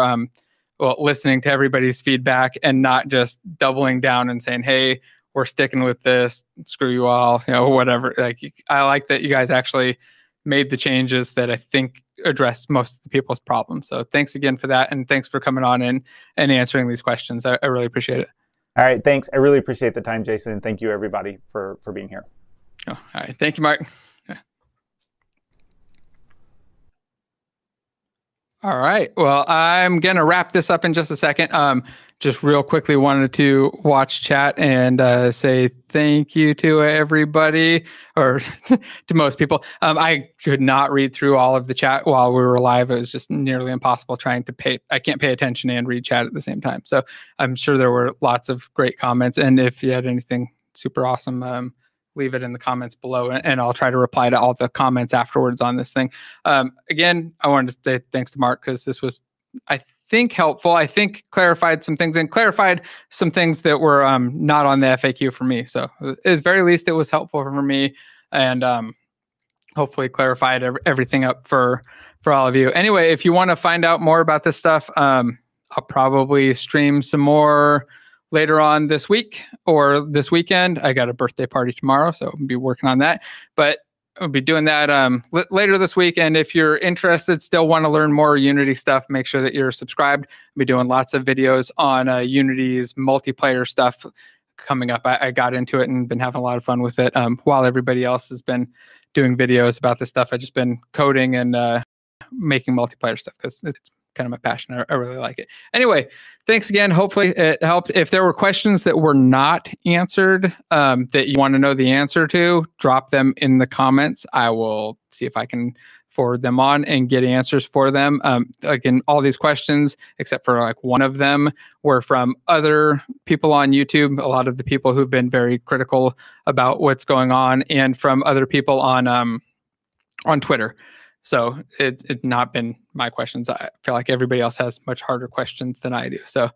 well, listening to everybody's feedback and not just doubling down and saying, "Hey, we're sticking with this. Screw you all," you know, whatever. Like, you... I like that you guys actually made the changes that I think address most of the people's problems. Thanks again for that, and thanks for coming on in and answering these questions. I really appreciate it. All right, thanks. I really appreciate the time, Jason, and thank you, everybody, for being here. Oh, all right. Thank you, Marc. Yeah. All right, well, I'm gonna wrap this up in just a second. Just real quickly wanted to watch chat and say thank you to everybody, or to most people. I could not read through all of the chat while we were live. It was just nearly impossible trying to pay... I can't pay attention and read chat at the same time. So I'm sure there were lots of great comments, and if you had anything super awesome, leave it in the comments below, and I'll try to reply to all the comments afterwards on this thing. Again, I wanted to say thanks to Marc, 'cause this was, I think, helpful, I think clarified some things, and clarified some things that were not on the FAQ for me. So at the very least, it was helpful for me and hopefully clarified everything up for all of you. Anyway, if you wanna find out more about this stuff, I'll probably stream some more later on this week or this weekend. I got a birthday party tomorrow, so I'll be working on that. But I'll be doing that later this week. And if you're interested, still wanna learn more Unity stuff, make sure that you're subscribed. I'll be doing lots of videos on Unity's multiplayer stuff coming up. I got into it and been having a lot of fun with it. While everybody else has been doing videos about this stuff, I've just been coding and making multiplayer stuff, 'cause it's kind of my passion. I really like it. Anyway, thanks again. Hopefully it helped. If there were questions that were not answered, that you wanna know the answer to, drop them in the comments. I will see if I can forward them on and get answers for them. Again, all these questions, except for, like, one of them, were from other people on YouTube, a lot of the people who've been very critical about what's going on, and from other people on, on Twitter. So it's, it's not been my questions. I feel like everybody else has much harder questions than I do. So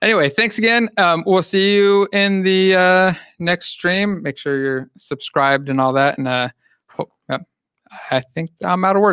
anyway, thanks again. We'll see you in the, next stream. Make sure you're subscribed and all that, and, hope, I think I'm out of words-